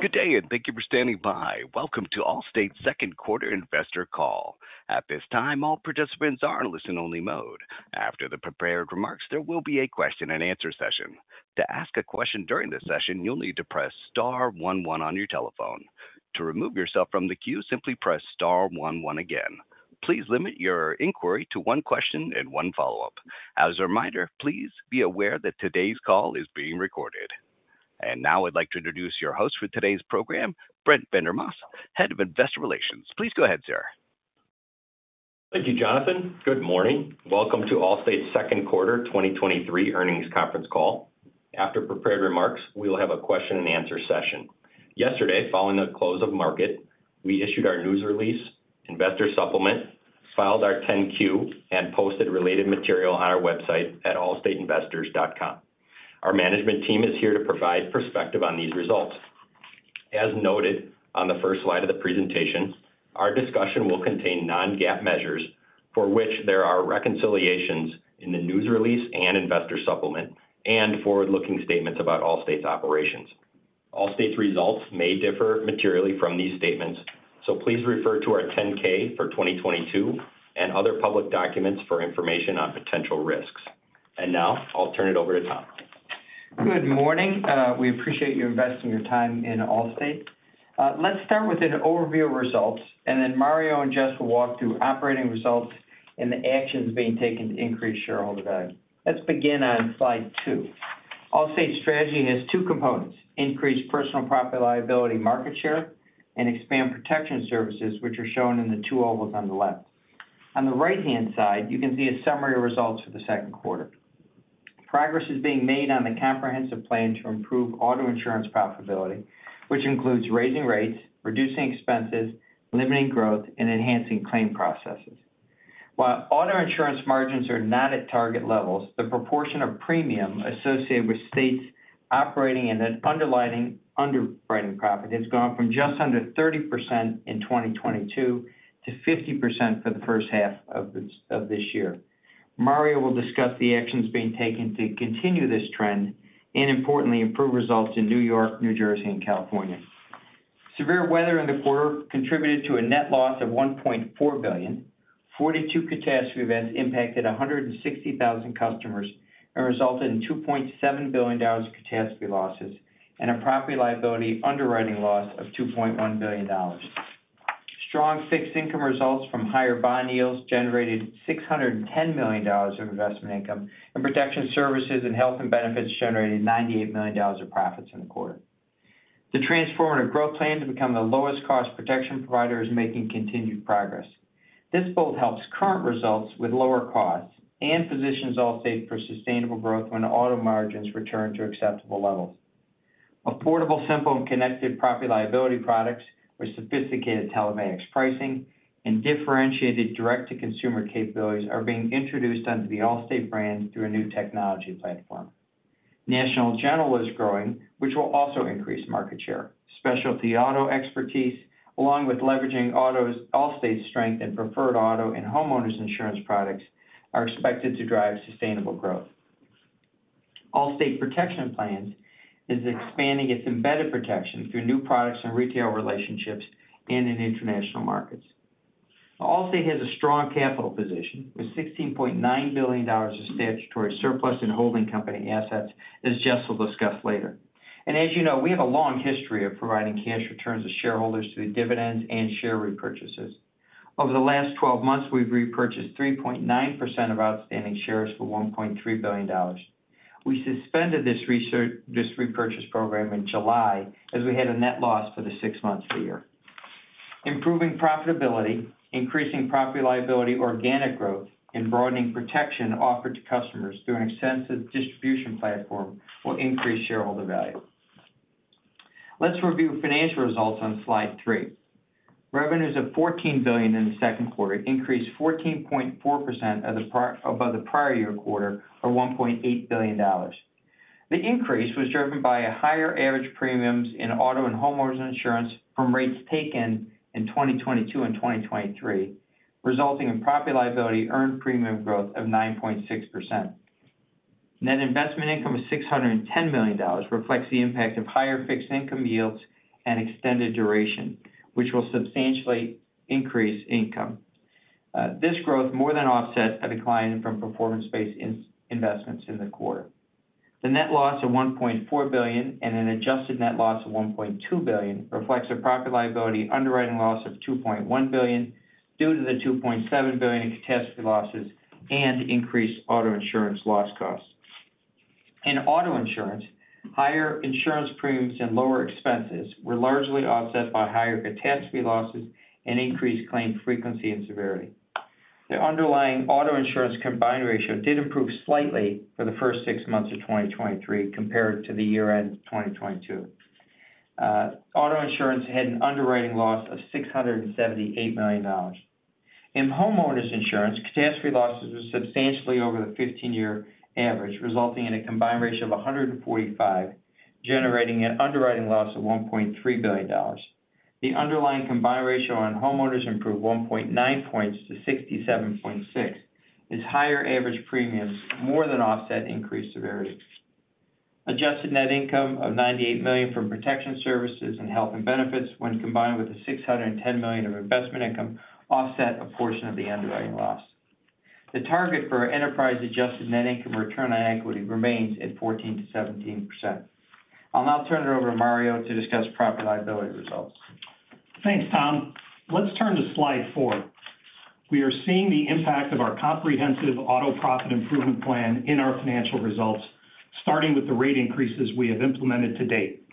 Good day, and thank you for standing by. Welcome to Allstate's second quarter investor call. At this time, all participants are in listen-only mode. After the prepared remarks, there will be a question-and-answer session. To ask a question during the session, you'll need to press star one one on your telephone. To remove yourself from the queue, simply press star one one again. Please limit your inquiry to one question and one follow-up. As a reminder, please be aware that today's call is being recorded. Now I'd like to introduce your host for today's program, Brent Vandermause, Head of Investor Relations. Please go ahead, sir. Thank you, Jonathan. Good morning. Welcome to Allstate's second quarter 2023 earnings conference call. After prepared remarks, we will have a question-and-answer session. Yesterday, following the close of market, we issued our news release, investor supplement, filed our 10-Q, and posted related material on our website at allstateinvestors.com. Our management team is here to provide perspective on these results. As noted on the first slide of the presentation, our discussion will contain non-GAAP measures, for which there are reconciliations in the news release and investor supplement, and forward-looking statements about Allstate's operations. Allstate's results may differ materially from these statements, so please refer to our Form 10-K for 2022 and other public documents for information on potential risks. Now I'll turn it over to Tom. Good morning. We appreciate you investing your time in Allstate. Let's start with an overview of results. Then Mario and Jess will walk through operating results and the actions being taken to increase shareholder value. Let's begin on slide two. Allstate's strategy has two components: increase personal property-liability market share and expand Protection Services, which are shown in the two ovals on the left. On the right-hand side, you can see a summary of results for the second quarter. Progress is being made on the comprehensive plan to improve auto insurance profitability, which includes raising rates, reducing expenses, limiting growth, and enhancing claim processes. While auto insurance margins are not at target levels, the proportion of premium associated with states operating in an underwriting profit has gone from just under 30% in 2022 to 50% for the first half of this, of this year. Mario will discuss the actions being taken to continue this trend and importantly, improve results in New York, New Jersey, and California. Severe weather in the quarter contributed to a net loss of $1.4 billion. 42 catastrophe events impacted 160,000 customers and resulted in $2.7 billion of catastrophe losses and a property liability underwriting loss of $2.1 billion. Strong fixed income results from higher bond yields generated $610 million of investment income. Protection Services and health and benefits generated $98 million of profits in the quarter. The transformative growth plan to become the lowest cost protection provider is making continued progress. This both helps current results with lower costs and positions Allstate for sustainable growth when auto margins return to acceptable levels. Affordable, simple, and connected property liability products with sophisticated telematics pricing and differentiated direct-to-consumer capabilities are being introduced under the Allstate brand through a new technology platform. National General is growing, which will also increase market share. Specialty auto expertise, along with leveraging Allstate's strength in preferred auto and homeowners insurance products, are expected to drive sustainable growth. Allstate Protection Plans is expanding its embedded protection through new products and retail relationships and in international markets. Allstate has a strong capital position, with $16.9 billion of statutory surplus and holding company assets, as Jess will discuss later. As you know, we have a long history of providing cash returns to shareholders through dividends and share repurchases. Over the last 12 months, we've repurchased 3.9% of outstanding shares for $1.3 billion. We suspended this repurchase program in July as we had a net loss for the 6 months of the year. Improving profitability, increasing property liability, organic growth, and broadening protection offered to customers through an extensive distribution platform will increase shareholder value. Let's review financial results on slide three. Revenues of $14 billion in the second quarter increased 14.4% above the prior year quarter, or $1.8 billion. The increase was driven by a higher average premiums in auto and homeowners insurance from rates taken in 2022 and 2023, resulting in property liability earned premium growth of 9.6%. Net investment income of $610 million reflects the impact of higher fixed income yields and extended duration, which will substantially increase income. This growth more than offset a decline from performance-based in-investments in the quarter. The net loss of $1.4 billion and an adjusted net loss of $1.2 billion reflects a property liability underwriting loss of $2.1 billion, due to the $2.7 billion in catastrophe losses and increased auto insurance loss costs. In auto insurance, higher insurance premiums and lower expenses were largely offset by higher catastrophe losses and increased claim frequency and severity. The underlying auto insurance combined ratio did improve slightly for the first 6 months of 2023 compared to the year-end 2022. Auto insurance had an underwriting loss of $678 million. In homeowners insurance, catastrophe losses were substantially over the 15-year average, resulting in a combined ratio of 145, generating an underwriting loss of $1.3 billion. The underlying combined ratio on homeowners improved 1.9 points to 67.6, as higher average premiums more than offset increased severity. Adjusted net income of $98 million from Protection Services and health and benefits, when combined with the $610 million of investment income, offset a portion of the underwriting loss. The target for enterprise adjusted net income return on equity remains at 14%-17%. I'll now turn it over to Mario to discuss profit-liability results. Thanks, Tom. Let's turn to slide four. We are seeing the impact of our comprehensive auto profit improvement plan in our financial results, starting with the rate increases we have implemented to date.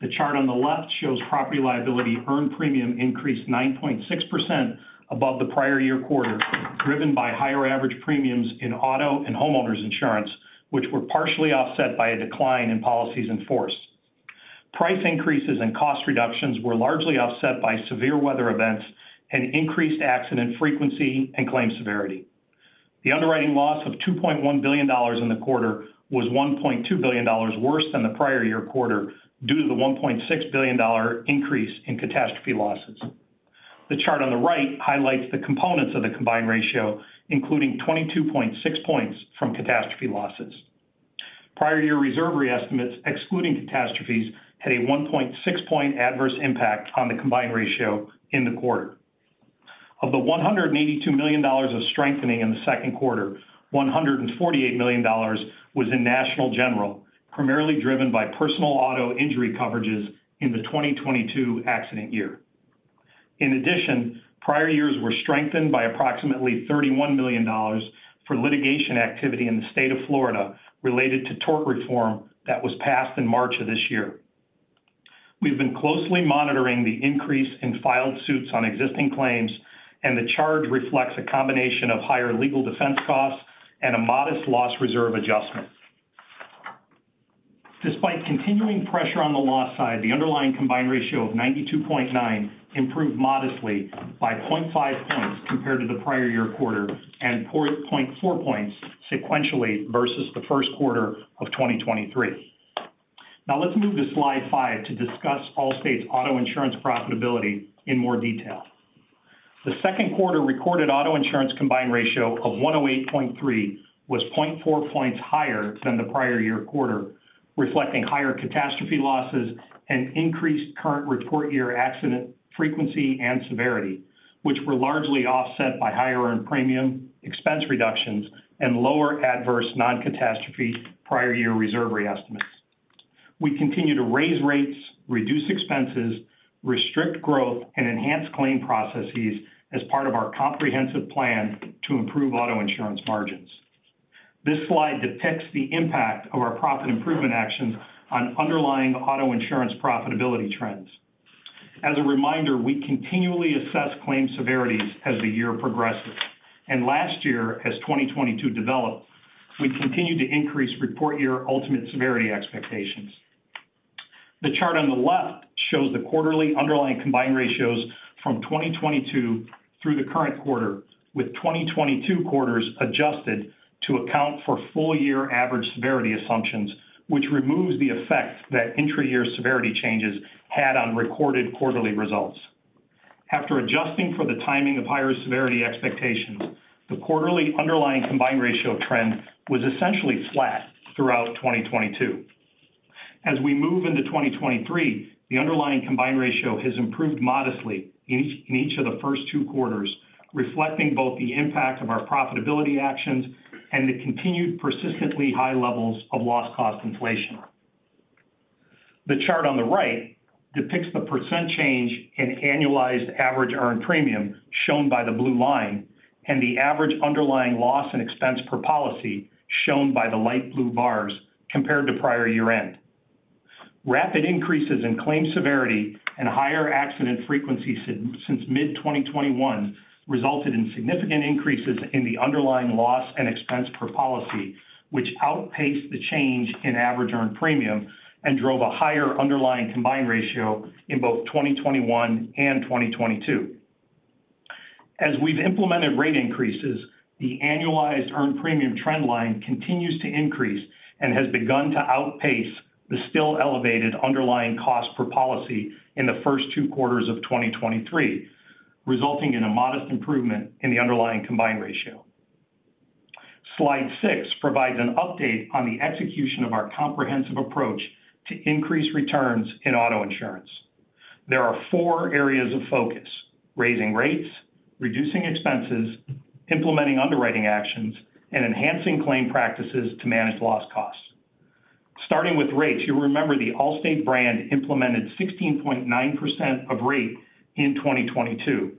The chart on the left shows property liability earned premium increased 9.6% above the prior year quarter, driven by higher average premiums in auto and homeowners insurance, which were partially offset by a decline in policies enforced. Price increases and cost reductions were largely offset by severe weather events and increased accident frequency and claim severity. The underwriting loss of $2.1 billion in the quarter was $1.2 billion worse than the prior year quarter, due to the $1.6 billion increase in catastrophe losses. The chart on the right highlights the components of the combined ratio, including 22.6 points from catastrophe losses. Prior year reserve reestimates, excluding catastrophes, had a 1.6 point adverse impact on the combined ratio in the quarter. Of the $182 million of strengthening in the second quarter, $148 million was in National General, primarily driven by personal auto injury coverages in the 2022 accident year. In addition, prior years were strengthened by approximately $31 million for litigation activity in the state of Florida related to tort reform that was passed in March of this year. We've been closely monitoring the increase in filed suits on existing claims, and the charge reflects a combination of higher legal defense costs and a modest loss reserve adjustment. Despite continuing pressure on the loss side, the underlying combined ratio of 92.9 improved modestly by 0.5 points compared to the prior year quarter, 0.4 points sequentially versus the first quarter of 2023. Now, let's move to slide five to discuss Allstate's auto insurance profitability in more detail. The second quarter recorded auto insurance combined ratio of 108.3, was 0.4 points higher than the prior year quarter, reflecting higher catastrophe losses and increased current report year accident frequency and severity, which were largely offset by higher earned premium expense reductions and lower adverse non-catastrophe prior year reserve reestimates. We continue to raise rates, reduce expenses, restrict growth, and enhance claim processes as part of our comprehensive plan to improve auto insurance margins. This slide depicts the impact of our profit improvement actions on underlying auto insurance profitability trends. As a reminder, we continually assess claim severities as the year progresses, and last year, as 2022 developed, we continued to increase report year ultimate severity expectations. The chart on the left shows the quarterly underlying combined ratios from 2022 through the current quarter, with 2022 quarters adjusted to account for full year average severity assumptions, which removes the effect that intra-year severity changes had on recorded quarterly results. After adjusting for the timing of higher severity expectations, the quarterly underlying combined ratio trend was essentially flat throughout 2022. As we move into 2023, the underlying combined ratio has improved modestly in each of the first 2 quarters, reflecting both the impact of our profitability actions and the continued persistently high levels of loss cost inflation. The chart on the right depicts the % change in annualized average earned premium, shown by the blue line, and the average underlying loss and expense per policy, shown by the light blue bars, compared to prior year-end. Rapid increases in claim severity and higher accident frequency since mid-2021, resulted in significant increases in the underlying loss and expense per policy, which outpaced the change in average earned premium and drove a higher underlying combined ratio in both 2021 and 2022. As we've implemented rate increases, the annualized earned premium trend line continues to increase and has begun to outpace the still elevated underlying cost per policy in the first two quarters of 2023, resulting in a modest improvement in the underlying combined ratio. Slide six provides an update on the execution of our comprehensive approach to increase returns in auto insurance. There are four areas of focus: raising rates, reducing expenses, implementing underwriting actions, and enhancing claim practices to manage loss costs. Starting with rates, you'll remember the Allstate brand implemented 16.9% of rate in 2022.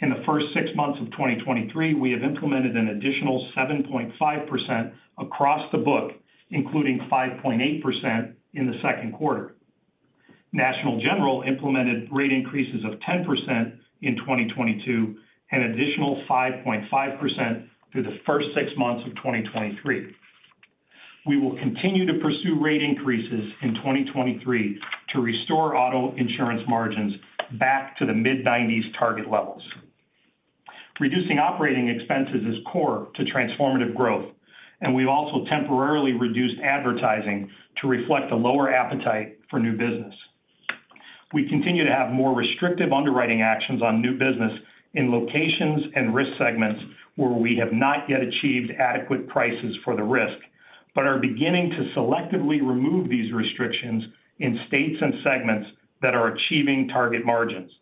In the first 6 months of 2023, we have implemented an additional 7.5% across the book, including 5.8% in the second quarter. National General implemented rate increases of 10% in 2022, an additional 5.5% through the first 6 months of 2023. We will continue to pursue rate increases in 2023 to restore auto insurance margins back to the mid-90s target levels. Reducing operating expenses is core to transformative growth, and we've also temporarily reduced advertising to reflect a lower appetite for new business. We continue to have more restrictive underwriting actions on new business in locations and risk segments where we have not yet achieved adequate prices for the risk, but are beginning to selectively remove these restrictions in states and segments that are achieving target margins.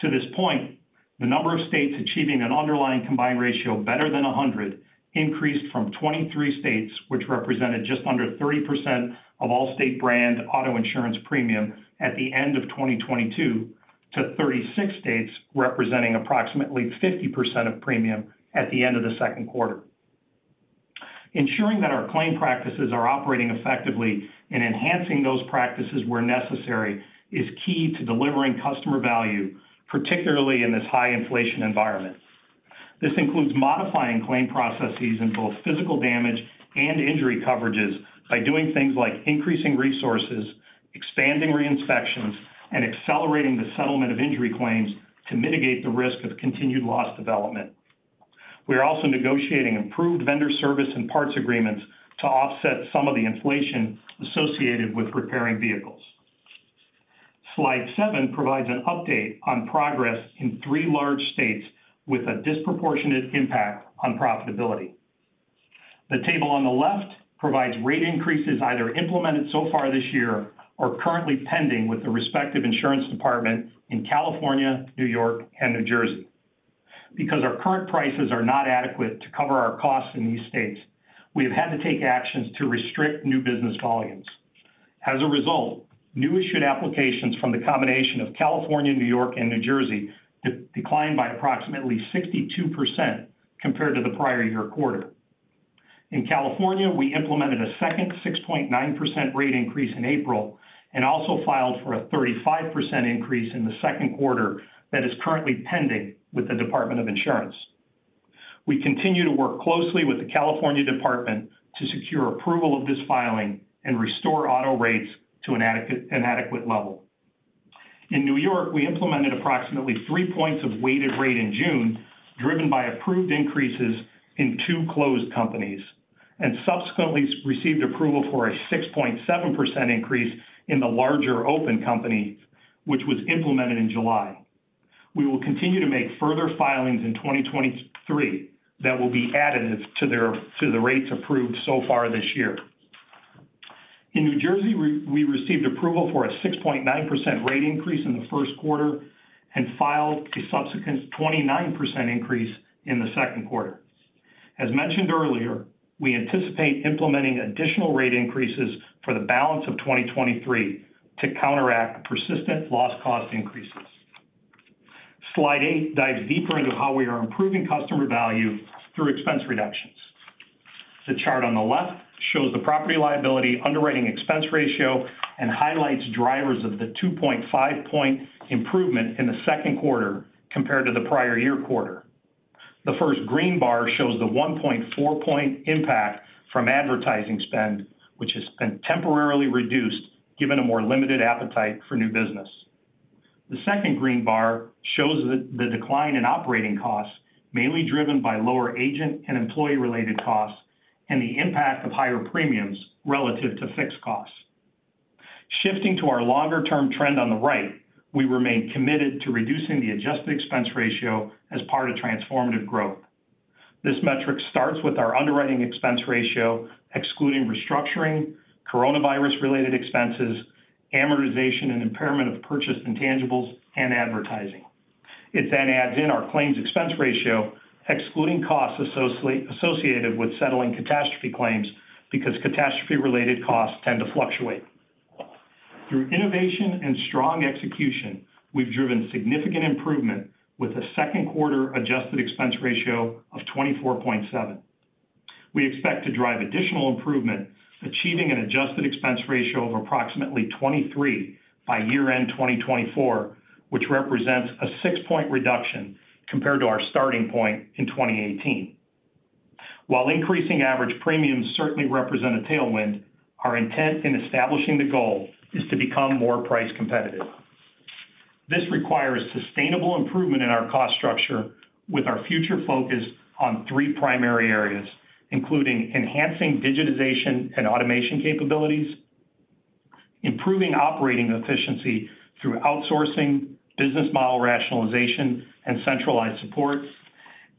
To this point, the number of states achieving an underlying combined ratio better than 100, increased from 23 states, which represented just under 30% of Allstate brand auto insurance premium at the end of 2022, to 36 states, representing approximately 50% of premium at the end of the second quarter. Ensuring that our claim practices are operating effectively and enhancing those practices where necessary, is key to delivering customer value, particularly in this high inflation environment. This includes modifying claim processes in both physical damage and injury coverages by doing things like increasing resources, expanding re inspections, and accelerating the settlement of injury claims to mitigate the risk of continued loss development. We are also negotiating improved vendor service and parts agreements to offset some of the inflation associated with repairing vehicles. Slide seven provides an update on progress in three large states with a disproportionate impact on profitability. The table on the left provides rate increases either implemented so far this year or currently pending with the respective insurance department in California, New York, and New Jersey. Because our current prices are not adequate to cover our costs in these states, we have had to take actions to restrict new business volumes. As a result, new issued applications from the combination of California, New York, and New Jersey have declined by approximately 62% compared to the prior year quarter. In California, we implemented a second 6.9% rate increase in April, and also filed for a 35% increase in the second quarter that is currently pending with the Department of Insurance. We continue to work closely with the California Department to secure approval of this filing and restore auto rates to an adequate, an adequate level. In New York, we implemented approximately 3 points of weighted rate in June, driven by approved increases in 2 closed companies, and subsequently received approval for a 6.7% increase in the larger open company, which was implemented in July. We will continue to make further filings in 2023 that will be added to the rates approved so far this year. In New Jersey, we received approval for a 6.9% rate increase in the first quarter and filed a subsequent 29% increase in the second quarter. As mentioned earlier, we anticipate implementing additional rate increases for the balance of 2023 to counteract persistent loss cost increases. Slide eight dives deeper into how we are improving customer value through expense reductions. The chart on the left shows the property-liability underwriting expense ratio and highlights drivers of the 2.5 point improvement in the second quarter compared to the prior year quarter. The first green bar shows the 1.4 point impact from advertising spend, which has been temporarily reduced, given a more limited appetite for new business. The second green bar shows the decline in operating costs, mainly driven by lower agent and employee-related costs and the impact of higher premiums relative to fixed costs. Shifting to our longer-term trend on the right, we remain committed to reducing the adjusted expense ratio as part of transformative growth. This metric starts with our underwriting expense ratio, excluding restructuring, coronavirus-related expenses, amortization and impairment of purchased intangibles, and advertising. It then adds in our claims expense ratio, excluding costs associated with settling catastrophe claims, because catastrophe-related costs tend to fluctuate. Through innovation and strong execution, we've driven significant improvement with a second quarter adjusted expense ratio of 24.7. We expect to drive additional improvement, achieving an adjusted expense ratio of approximately 23 by year-end 2024, which represents a 6-point reduction compared to our starting point in 2018. While increasing average premiums certainly represent a tailwind, our intent in establishing the goal is to become more price competitive. This requires sustainable improvement in our cost structure with our future focus on three primary areas, including enhancing digitization and automation capabilities, improving operating efficiency through outsourcing, business model rationalization, and centralized supports,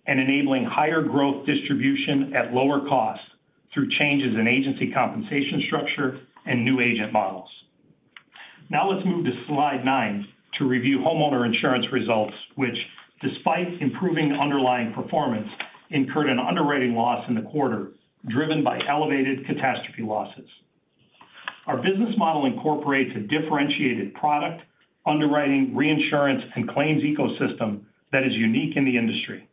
and enabling higher growth distribution at lower costs through changes in agency compensation structure and new agent models. Now let's move to slide nine to review homeowner insurance results, which, despite improving underlying performance, incurred an underwriting loss in the quarter, driven by elevated catastrophe losses. Our business model incorporates a differentiated product, underwriting, reinsurance, and claims ecosystem that is unique in the industry.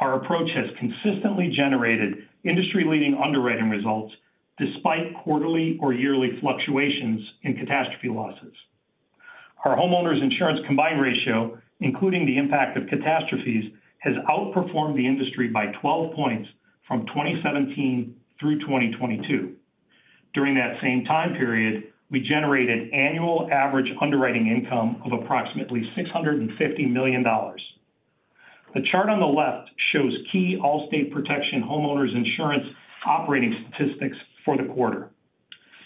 Our approach has consistently generated industry-leading underwriting results, despite quarterly or yearly fluctuations in catastrophe losses. Our homeowners insurance combined ratio, including the impact of catastrophes, has outperformed the industry by 12 points from 2017 through 2022. During that same time period, we generated annual average underwriting income of approximately $650 million. The chart on the left shows key Allstate Protection Homeowners Insurance operating statistics for the quarter.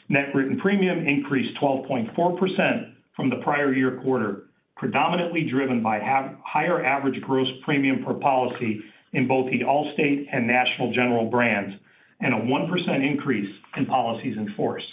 Net written premium increased 12.4% from the prior year quarter, predominantly driven by higher average gross premium per policy in both the Allstate and National General brands, and a 1% increase in policies in force.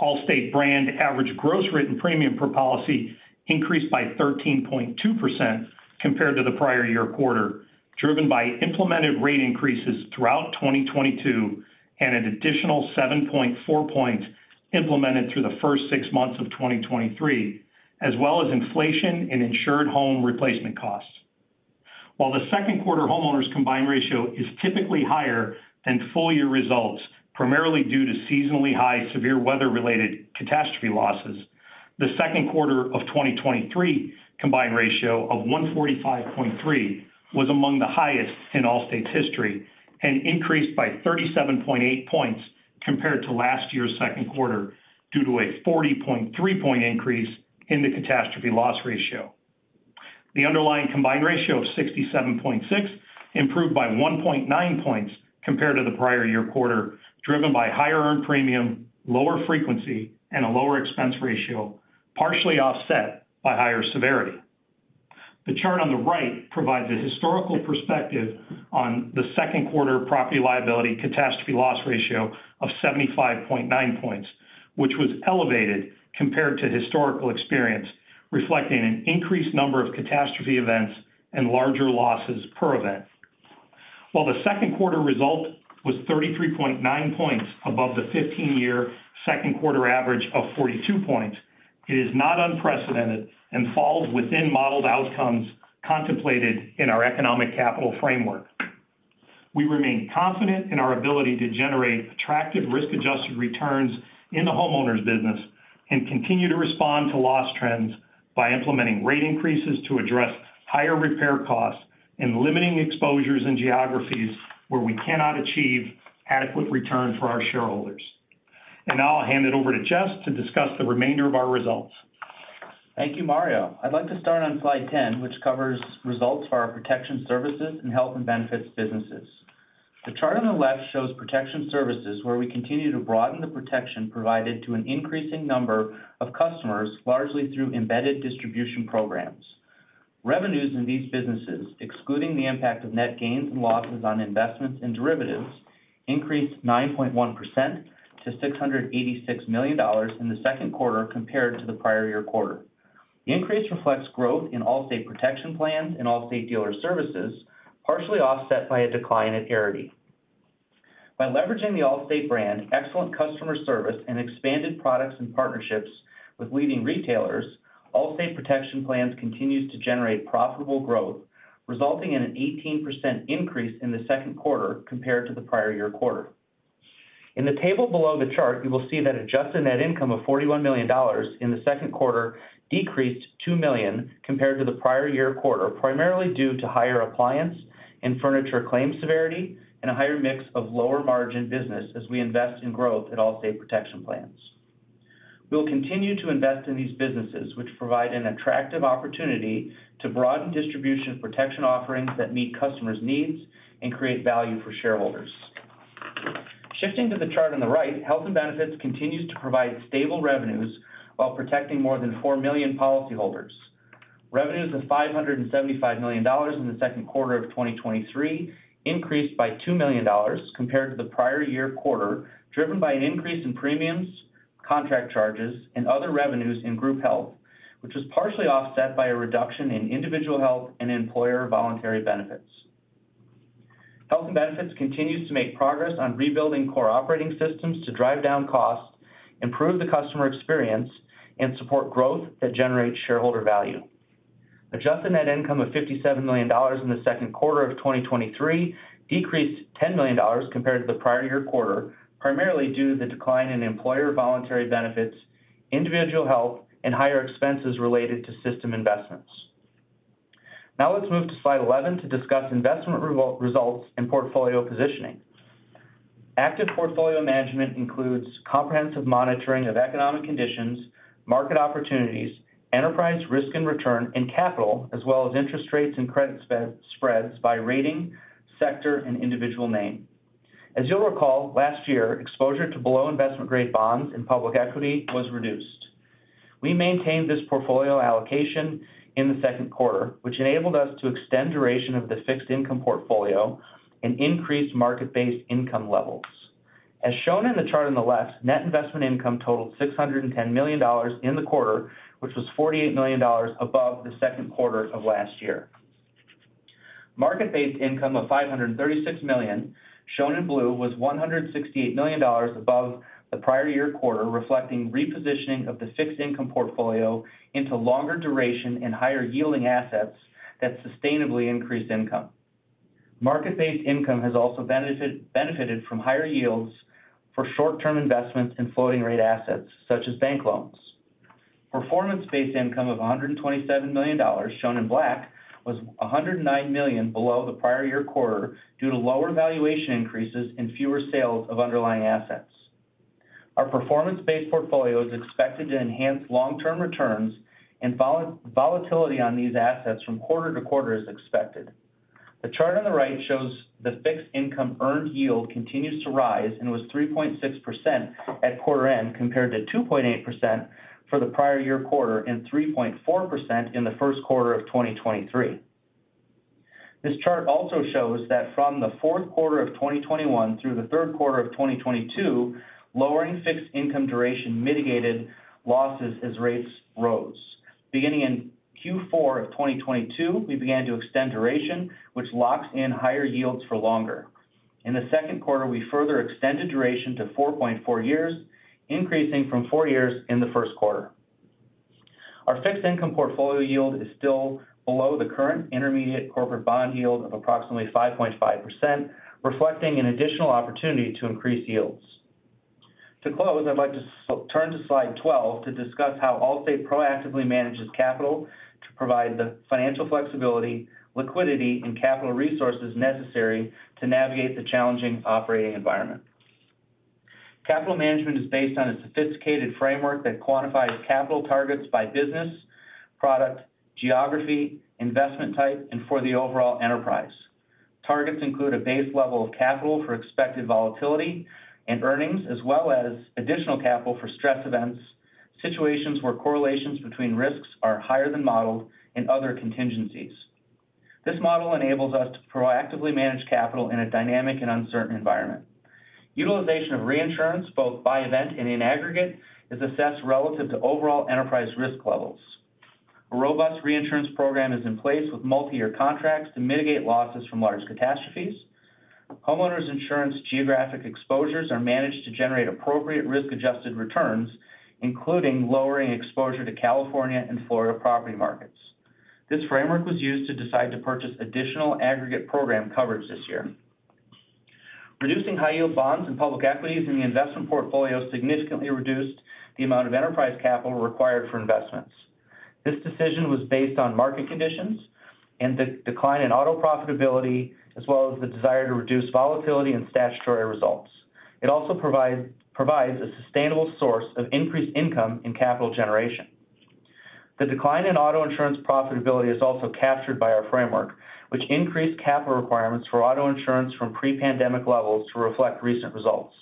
Allstate brand average gross written premium per policy increased by 13.2% compared to the prior year quarter, driven by implemented rate increases throughout 2022, an additional 7.4 points implemented through the first six months of 2023, as well as inflation and insured home replacement costs. While the second quarter homeowners combined ratio is typically higher than full year results, primarily due to seasonally high severe weather-related catastrophe losses, the second quarter of 2023 combined ratio of 145.3 was among the highest in Allstate's history, increased by 37.8 points compared to last year's second quarter, due to a 40.3 point increase in the catastrophe loss ratio. The underlying combined ratio of 67.6 improved by 1.9 points compared to the prior year quarter, driven by higher earned premium, lower frequency, and a lower expense ratio, partially offset by higher severity. The chart on the right provides a historical perspective on the second quarter property liability catastrophe loss ratio of 75.9 points, which was elevated compared to historical experience, reflecting an increased number of catastrophe events and larger losses per event. While the second quarter result was 33.9 points above the 15-year second quarter average of 42 points, it is not unprecedented and falls within modeled outcomes contemplated in our economic capital framework. We remain confident in our ability to generate attractive risk-adjusted returns in the homeowners business and continue to respond to loss trends by implementing rate increases to address higher repair costs and limiting exposures in geographies where we cannot achieve adequate return for our shareholders. Now I'll hand it over to Jess to discuss the remainder of our results. Thank you, Mario. I'd like to start on slide 10, which covers results for our Protection Services and health and benefits businesses. The chart on the left shows Protection Services, where we continue to broaden the protection provided to an increasing number of customers, largely through embedded distribution programs. Revenues in these businesses, excluding the impact of net gains and losses on investments and derivatives, increased 9.1% to $686 million in the second quarter compared to the prior year quarter. The increase reflects growth in Allstate Protection Plans and Allstate Dealer Services, partially offset by a decline at Arity. By leveraging the Allstate brand, excellent customer service, and expanded products and partnerships with leading retailers, Allstate Protection Plans continues to generate profitable growth, resulting in an 18% increase in the second quarter compared to the prior year quarter. In the table below the chart, you will see that adjusted net income of $41 million in the second quarter decreased $2 million compared to the prior year quarter, primarily due to higher appliance and furniture claim severity and a higher mix of lower-margin business as we invest in growth at Allstate Protection Plans. We'll continue to invest in these businesses, which provide an attractive opportunity to broaden distribution protection offerings that meet customers' needs and create value for shareholders. Shifting to the chart on the right, Health and Benefits continues to provide stable revenues while protecting more than 4 million policyholders. Revenues of $575 million in the second quarter of 2023 increased by $2 million compared to the prior year quarter, driven by an increase in premiums, contract charges, and other revenues in group health, which was partially offset by a reduction in individual health and employer voluntary benefits. Health and Benefits continues to make progress on rebuilding core operating systems to drive down costs, improve the customer experience, and support growth that generates shareholder value. Adjusted net income of $57 million in the second quarter of 2023 decreased $10 million compared to the prior year quarter, primarily due to the decline in employer voluntary benefits, individual health, and higher expenses related to system investments. Now let's move to slide 11 to discuss investment results and portfolio positioning. Active portfolio management includes comprehensive monitoring of economic conditions, market opportunities, enterprise risk and return, and capital, as well as interest rates and credit spread, spreads by rating, sector, and individual name. You'll recall, last year, exposure to below-investment grade bonds and public equity was reduced. We maintained this portfolio allocation in the second quarter, which enabled us to extend duration of the fixed income portfolio and increase market-based income levels. Shown in the chart on the left, net investment income totaled $610 million in the quarter, which was $48 million above the second quarter of last year. Market-based income of $536 million, shown in blue, was $168 million above the prior year quarter, reflecting repositioning of the fixed income portfolio into longer duration and higher-yielding assets that sustainably increased income. Market-based income has also benefited from higher yields for short-term investments in floating rate assets, such as bank loans. Performance-based income of $127 million, shown in black, was $109 million below the prior year quarter due to lower valuation increases and fewer sales of underlying assets. Our performance-based portfolio is expected to enhance long-term returns, and volatility on these assets from quarter to quarter is expected. The chart on the right shows the fixed income earned yield continues to rise and was 3.6% at quarter end, compared to 2.8% for the prior year quarter and 3.4% in the first quarter of 2023. This chart also shows that from the fourth quarter of 2021 through the third quarter of 2022, lowering fixed income duration mitigated losses as rates rose. Beginning in Q4 of 2022, we began to extend duration, which locks in higher yields for longer. In the second quarter, we further extended duration to 4.4 years, increasing from 4 years in the first quarter. Our fixed income portfolio yield is still below the current intermediate corporate bond yield of approximately 5.5%, reflecting an additional opportunity to increase yields. To close, I'd like to turn to slide 12 to discuss how Allstate proactively manages capital to provide the financial flexibility, liquidity, and capital resources necessary to navigate the challenging operating environment. Capital management is based on a sophisticated framework that quantifies capital targets by business, product, geography, investment type, and for the overall enterprise. Targets include a base level of capital for expected volatility and earnings, as well as additional capital for stress events, situations where correlations between risks are higher than modeled, and other contingencies. This model enables us to proactively manage capital in a dynamic and uncertain environment. Utilization of reinsurance, both by event and in aggregate, is assessed relative to overall enterprise risk levels. A robust reinsurance program is in place with multiyear contracts to mitigate losses from large catastrophes. Homeowners insurance geographic exposures are managed to generate appropriate risk-adjusted returns, including lowering exposure to California and Florida property markets. This framework was used to decide to purchase additional aggregate program coverage this year. Reducing high-yield bonds and public equities in the investment portfolio significantly reduced the amount of enterprise capital required for investments. This decision was based on market conditions and the decline in auto profitability, as well as the desire to reduce volatility and statutory results. It also provides a sustainable source of increased income and capital generation. The decline in auto insurance profitability is also captured by our framework, which increased capital requirements for auto insurance from pre-pandemic levels to reflect recent results.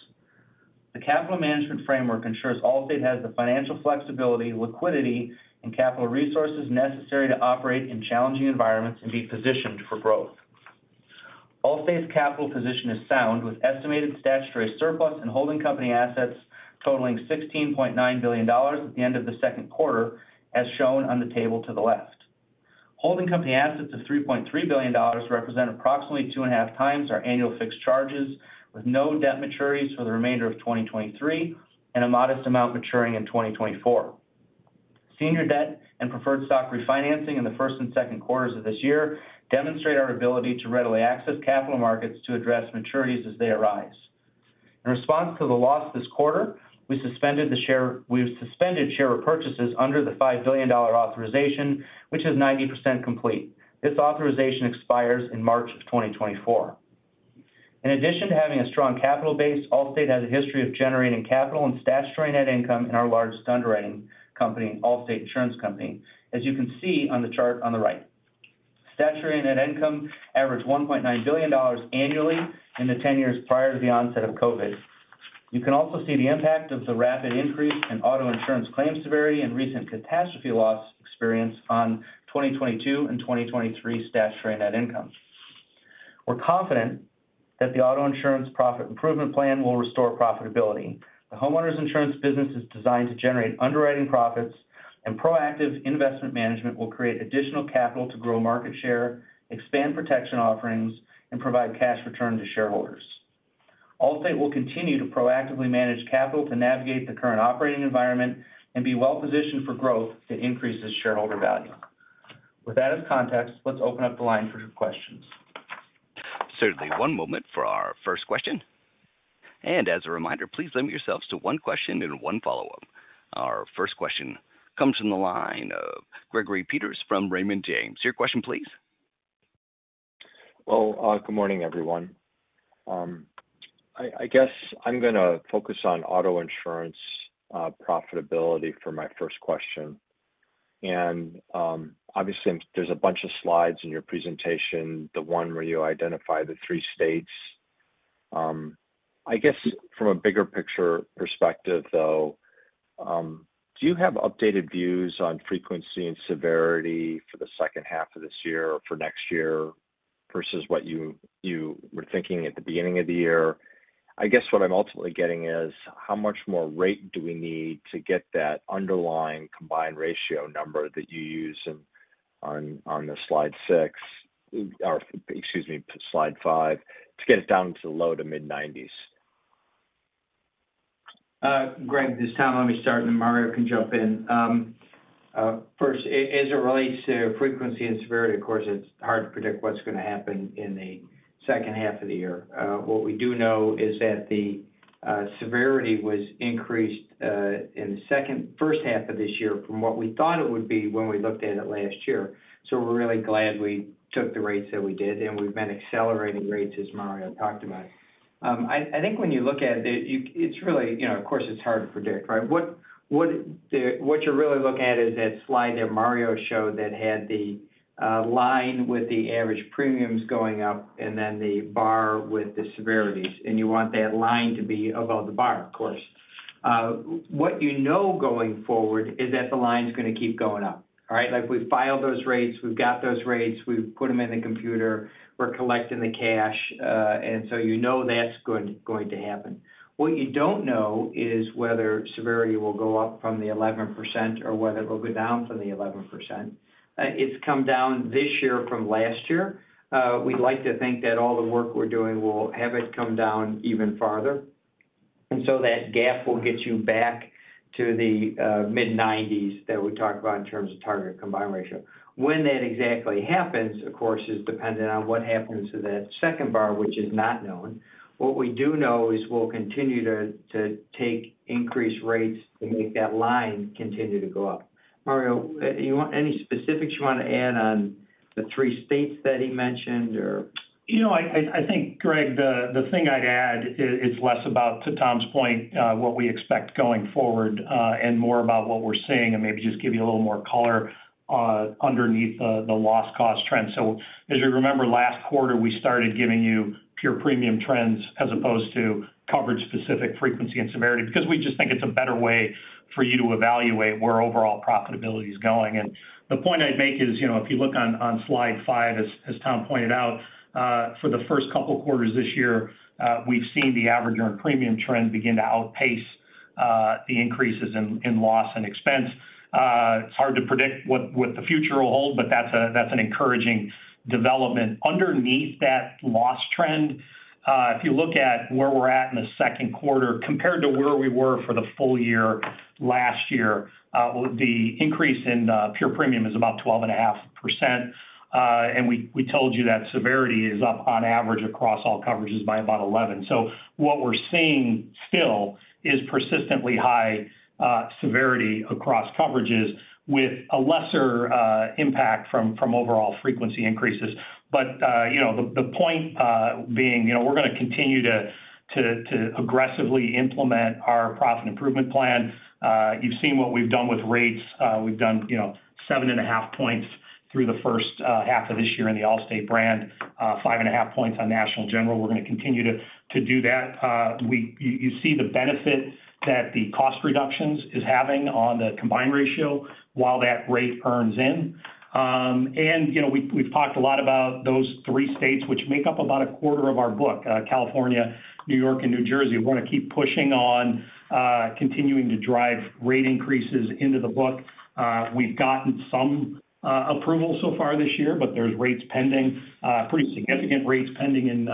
The capital management framework ensures Allstate has the financial flexibility, liquidity, and capital resources necessary to operate in challenging environments and be positioned for growth. Allstate's capital position is sound, with estimated statutory surplus and holding company assets totaling $16.9 billion at the end of the second quarter, as shown on the table to the left. Holding company assets of $3.3 billion represent approximately 2.5 times our annual fixed charges, with no debt maturities for the remainder of 2023 and a modest amount maturing in 2024. Senior debt and preferred stock refinancing in the first and second quarters of this year demonstrate our ability to readily access capital markets to address maturities as they arise. In response to the loss this quarter, we've suspended share repurchases under the $5 billion authorization, which is 90% complete. This authorization expires in March of 2024. In addition to having a strong capital base, Allstate has a history of generating capital and statutory net income in our largest underwriting company, Allstate Insurance Company, as you can see on the chart on the right. Statutory net income averaged $1.9 billion annually in the 10 years prior to the onset of COVID. You can also see the impact of the rapid increase in auto insurance claims severity and recent catastrophe loss experience on 2022 and 2023 statutory net income. We're confident that the auto insurance profit improvement plan will restore profitability. The homeowners insurance business is designed to generate underwriting profits, and proactive investment management will create additional capital to grow market share, expand protection offerings, and provide cash return to shareholders. Allstate will continue to proactively manage capital to navigate the current operating environment and be well positioned for growth to increase its shareholder value. With that as context, let's open up the line for questions. Certainly. One moment for our first question. As a reminder, please limit yourselves to one question and one follow-up. Our first question comes from the line of Gregory Peters from Raymond James. Your question, please. Well, good morning, everyone. I, I guess I'm gonna focus on auto insurance profitability for my first question. Obviously, there's a bunch of slides in your presentation, the one where you identify the three states. I guess from a bigger picture perspective, though, do you have updated views on frequency and severity for the second half of this year or for next year versus what you, you were thinking at the beginning of the year? I guess what I'm ultimately getting is, how much more rate do we need to get that underlying combined ratio number that you use on slide six, or excuse me, slide five, to get it down to the low to mid-90s? Greg, this is Tom. Let me start, and then Mario can jump in. First, as it relates to frequency and severity, of course, it's hard to predict what's going to happen in the second half of the year. What we do know is that the severity was increased in the first half of this year from what we thought it would be when we looked at it last year. We're really glad we took the rates that we did, and we've been accelerating rates, as Mario talked about. I think when you look at it, it's really, you know, of course, it's hard to predict, right? What you're really looking at is that slide that Mario showed that had the line with the average premiums going up and then the bar with the severities, and you want that line to be above the bar, of course. What you know going forward is that the line's gonna keep going up, all right? Like, we've filed those rates, we've got those rates, we've put them in the computer, we're collecting the cash, and so you know that's going to happen. What you don't know is whether severity will go up from the 11% or whether it will go down from the 11%. It's come down this year from last year. We'd like to think that all the work we're doing will have it come down even farther. That gap will get you back to the mid-90s that we talked about in terms of target combined ratio. When that exactly happens, of course, is dependent on what happens to that second bar, which is not known. What we do know is we'll continue to take increased rates to make that line continue to go up. Mario, any specifics you want to add on the three states that he mentioned, or? You know, I, I think, Greg, the, the thing I'd add is, is less about, to Tom's point, what we expect going forward, and more about what we're seeing, and maybe just give you a little more color, underneath the, the loss cost trend. As you remember, last quarter, we started giving you pure premium trends as opposed to coverage-specific frequency and severity, because we just think it's a better way for you to evaluate where overall profitability is going. And the point I'd make is, you know, if you look on, on slide five, as, as Tom pointed out, for the first couple of quarters this year, we've seen the average earned premium trend begin to outpace, the increases in, in loss and expense. It's hard to predict what, what the future will hold, but that's a, that's an encouraging development. Underneath that loss trend, if you look at where we're at in the second quarter, compared to where we were for the full year last year, the increase in pure premium is about 12.5%, and we, we told you that severity is up on average across all coverages by about 11. What we're seeing still is persistently high severity across coverages with a lesser impact from overall frequency increases. You know, the point being, you know, we're gonna continue to aggressively implement our profit improvement plan. You've seen what we've done with rates. We've done, you know, 7.5 points through the first half of this year in the Allstate brand, 5.5 points on National General. We're gonna continue to do that. You, you see the benefit that the cost reductions is having on the combined ratio while that rate earns in. You know, we've, we've talked a lot about those three states, which make up about a quarter of our book, California, New York, and New Jersey. We want to keep pushing on, continuing to drive rate increases into the book. We've gotten some approval so far this year, but there's rates pending, pretty significant rates pending in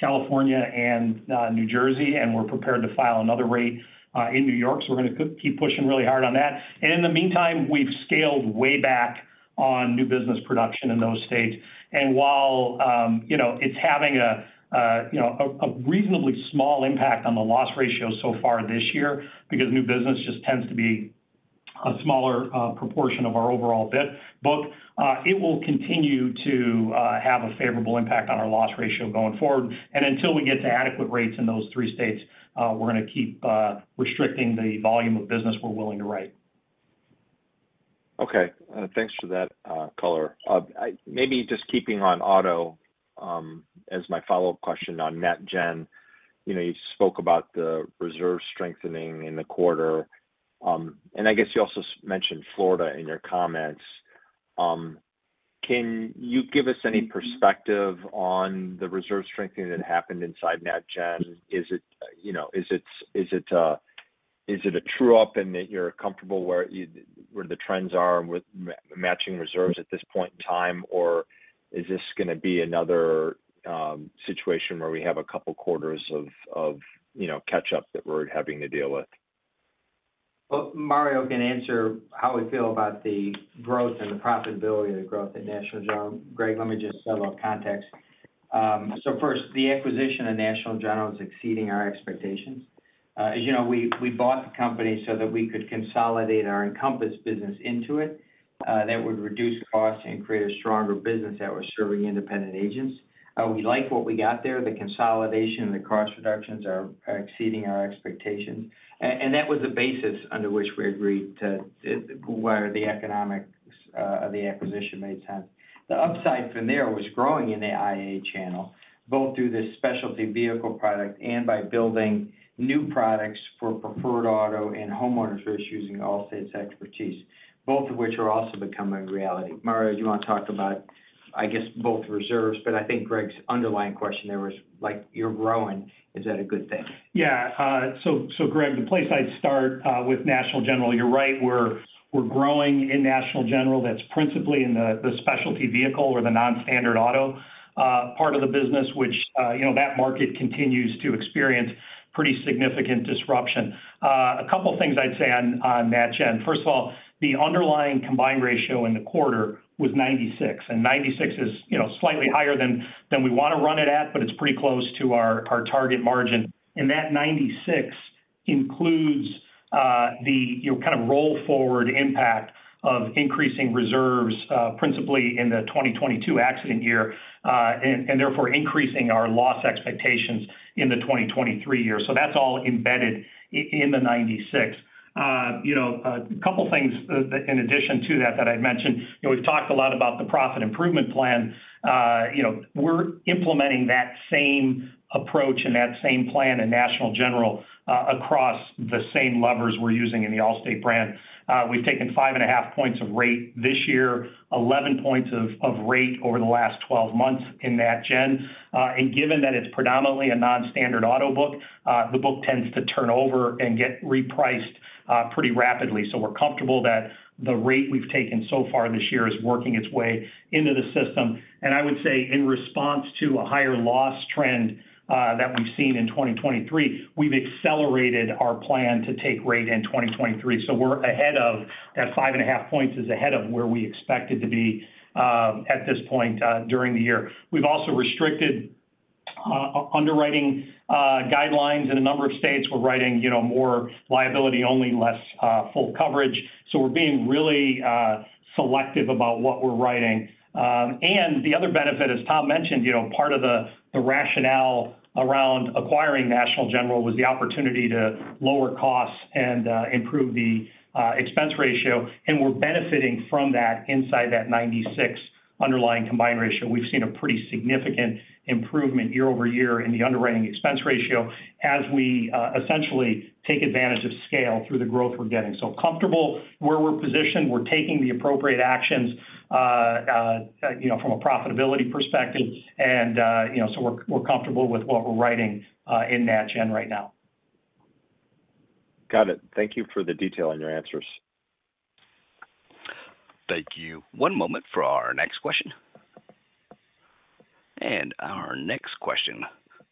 California and New Jersey, and we're prepared to file another rate in New York, so we're gonna keep pushing really hard on that. In the meantime, we've scaled way back on new business production in those states. While, you know, it's having, you know, a reasonably small impact on the loss ratio so far this year, because new business just tends to be a smaller proportion of our overall book, it will continue to have a favorable impact on our loss ratio going forward. Until we get to adequate rates in those three states, we're gonna keep restricting the volume of business we're willing to write. Okay, thanks for that color. Maybe just keeping on auto, as my follow-up question on NetGen. You know, you spoke about the reserve strengthening in the quarter, and I guess you also mentioned Florida in your comments. Can you give us any perspective on the reserve strengthening that happened inside NetGen? Is it, you know, is it, is it a true up and that you're comfortable where you where the trends are with matching reserves at this point in time? Or is this gonna be another situation where we have a couple quarters of, of, you know, catch up that we're having to deal with? Well, Mario can answer how we feel about the growth and the profitability of the growth at National General. Greg, let me just set a little context. First, the acquisition of National General is exceeding our expectations. As you know, we, we bought the company so that we could consolidate our Encompass business into it, that would reduce costs and create a stronger business that was serving independent agents. We like what we got there. The consolidation and the cost reductions are, are exceeding our expectations. That was the basis under which we agreed to, where the economics of the acquisition made sense. The upside from there was growing in the IA channel, both through this specialty vehicle product and by building new products for preferred auto and homeowners risk using Allstate's expertise, both of which are also becoming a reality. Mario, do you want to talk about, I guess, both reserves, but I think Greg's underlying question there was like, you're growing, is that a good thing? Yeah. So Greg, the place I'd start with National General, you're right, we're, we're growing in National General. That's principally in the, the specialty vehicle or the non-standard auto part of the business, which, you know, that market continues to experience pretty significant disruption. A couple of things I'd say on NetGen. First of all, the underlying combined ratio in the quarter was 96, and 96 is, you know, slightly higher than, than we want to run it at, but it's pretty close to our, our target margin. That 96... includes, the, you know, kind of roll forward impact of increasing reserves, principally in the 2022 accident year, and therefore, increasing our loss expectations in the 2023 year. That's all embedded in the 96. You know, a couple things that in addition to that, that I mentioned, you know, we've talked a lot about the profit improvement plan. You know, we're implementing that same approach and that same plan in National General, across the same levers we're using in the Allstate brand. We've taken 5.5 points of rate this year, 11 points of rate over the last 12 months in NetGen. Given that it's predominantly a non-standard auto book, the book tends to turn over and get repriced pretty rapidly. We're comfortable that the rate we've taken so far this year is working its way into the system. I would say, in response to a higher loss trend that we've seen in 2023, we've accelerated our plan to take rate in 2023. We're ahead of, that 5.5 points is ahead of where we expected to be at this point during the year. We've also restricted underwriting guidelines in a number of states. We're writing, you know, more liability only, less full coverage. We're being really selective about what we're writing. The other benefit, as Tom mentioned, you know, part of the rationale around acquiring National General was the opportunity to lower costs and improve the expense ratio, and we're benefiting from that inside that 96 underlying combined ratio. We've seen a pretty significant improvement year-over-year in the underwriting expense ratio as we essentially take advantage of scale through the growth we're getting. Comfortable where we're positioned, we're taking the appropriate actions, you know, from a profitability perspective, and, you know, so we're, we're comfortable with what we're writing in NetGen right now. Got it. Thank you for the detail on your answers. Thank you. One moment for our next question. Our next question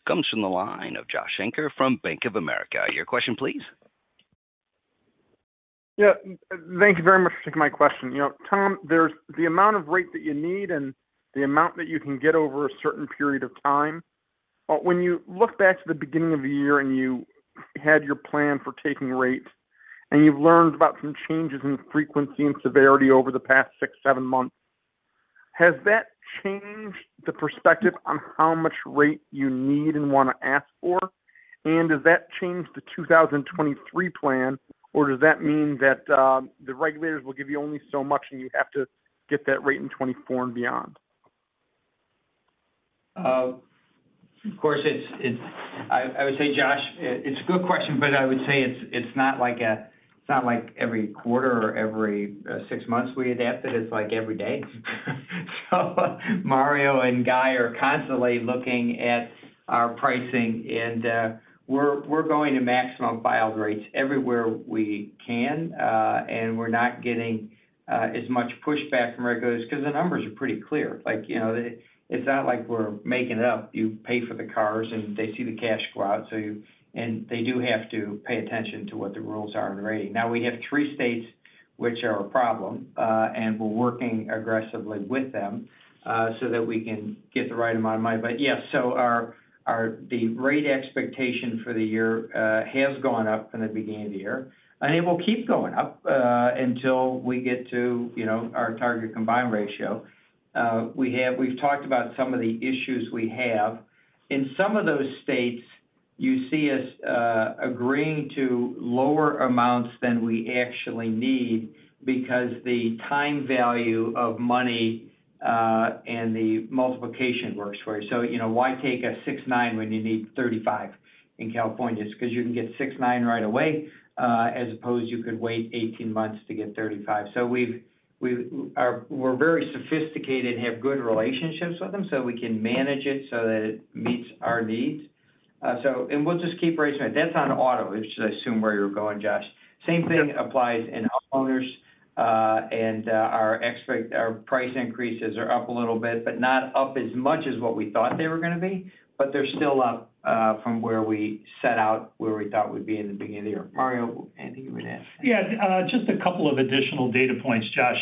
comes from the line of Josh Shanker from Bank of America. Your question, please. Yeah, thank you very much for taking my question. You know, Tom, there's the amount of rate that you need and the amount that you can get over a certain period of time. When you look back to the beginning of the year and you had your plan for taking rates, and you've learned about some changes in frequency and severity over the past 6-7 months, has that changed the perspective on how much rate you need and want to ask for? Does that change the 2023 plan, or does that mean that the regulators will give you only so much, and you have to get that rate in 2024 and beyond? Of course, it's I would say, Josh, it's a good question. I would say it's not like, it's not like every quarter or every six months we adapt it. It's like every day. Mario and Guy are constantly looking at our pricing, and we're going to maximum filed rates everywhere we can, and we're not getting as much pushback from regulators because the numbers are pretty clear. Like, you know, it's not like we're making it up. You pay for the cars, and they see the cash go out, so you... They do have to pay attention to what the rules are in rating. We have three states which are a problem, and we're working aggressively with them, so that we can get the right amount of money. Yeah, so our, our, the rate expectation for the year has gone up from the beginning of the year, and it will keep going up until we get to, you know, our target combined ratio. We've talked about some of the issues we have. In some of those states, you see us agreeing to lower amounts than we actually need because the time value of money and the multiplication works for you. You know, why take a 69 when you need 35 in California? It's because you can get 69 right away as opposed you could wait 18 months to get 35. We've, we've, we're very sophisticated and have good relationships with them, so we can manage it so that it meets our needs. We'll just keep raising it. That's on auto, which I assume where you're going, Josh. Same thing applies in homeowners, and, our price increases are up a little bit, but not up as much as what we thought they were going to be, but they're still up, from where we set out, where we thought we'd be in the beginning of the year. Mario, anything you would add? Yeah, just a couple of additional data points, Josh.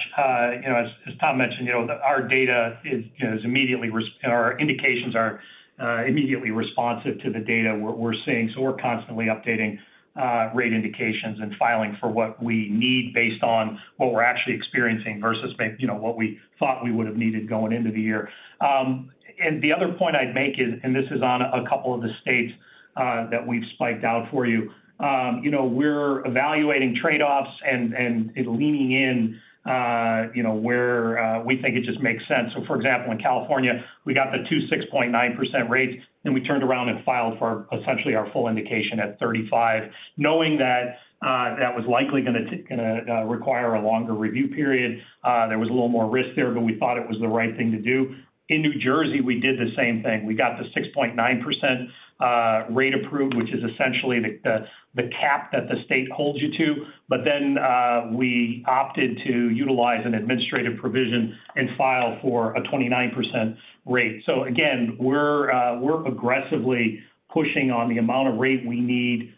You know, as, as Tom mentioned, you know, our data is, you know, is immediately responsive to the data what we're seeing. We're constantly updating rate indications and filing for what we need based on what we're actually experiencing versus may, you know, what we thought we would have needed going into the year. The other point I'd make is, and this is on a couple of the states that we've spiked out for you. You know, we're evaluating trade-offs and leaning in, you know, where, we think it just makes sense. For example, in California, we got the 2 6.9% rates. Then we turned around and filed for essentially our full indication at 35, knowing that that was likely gonna require a longer review period. There was a little more risk there, but we thought it was the right thing to do. In New Jersey, we did the same thing. We got the 6.9% rate approved, which is essentially the, the, the cap that the state holds you to. Then we opted to utilize an administrative provision and file for a 29% rate. Again, we're aggressively pushing on the amount of rate we need,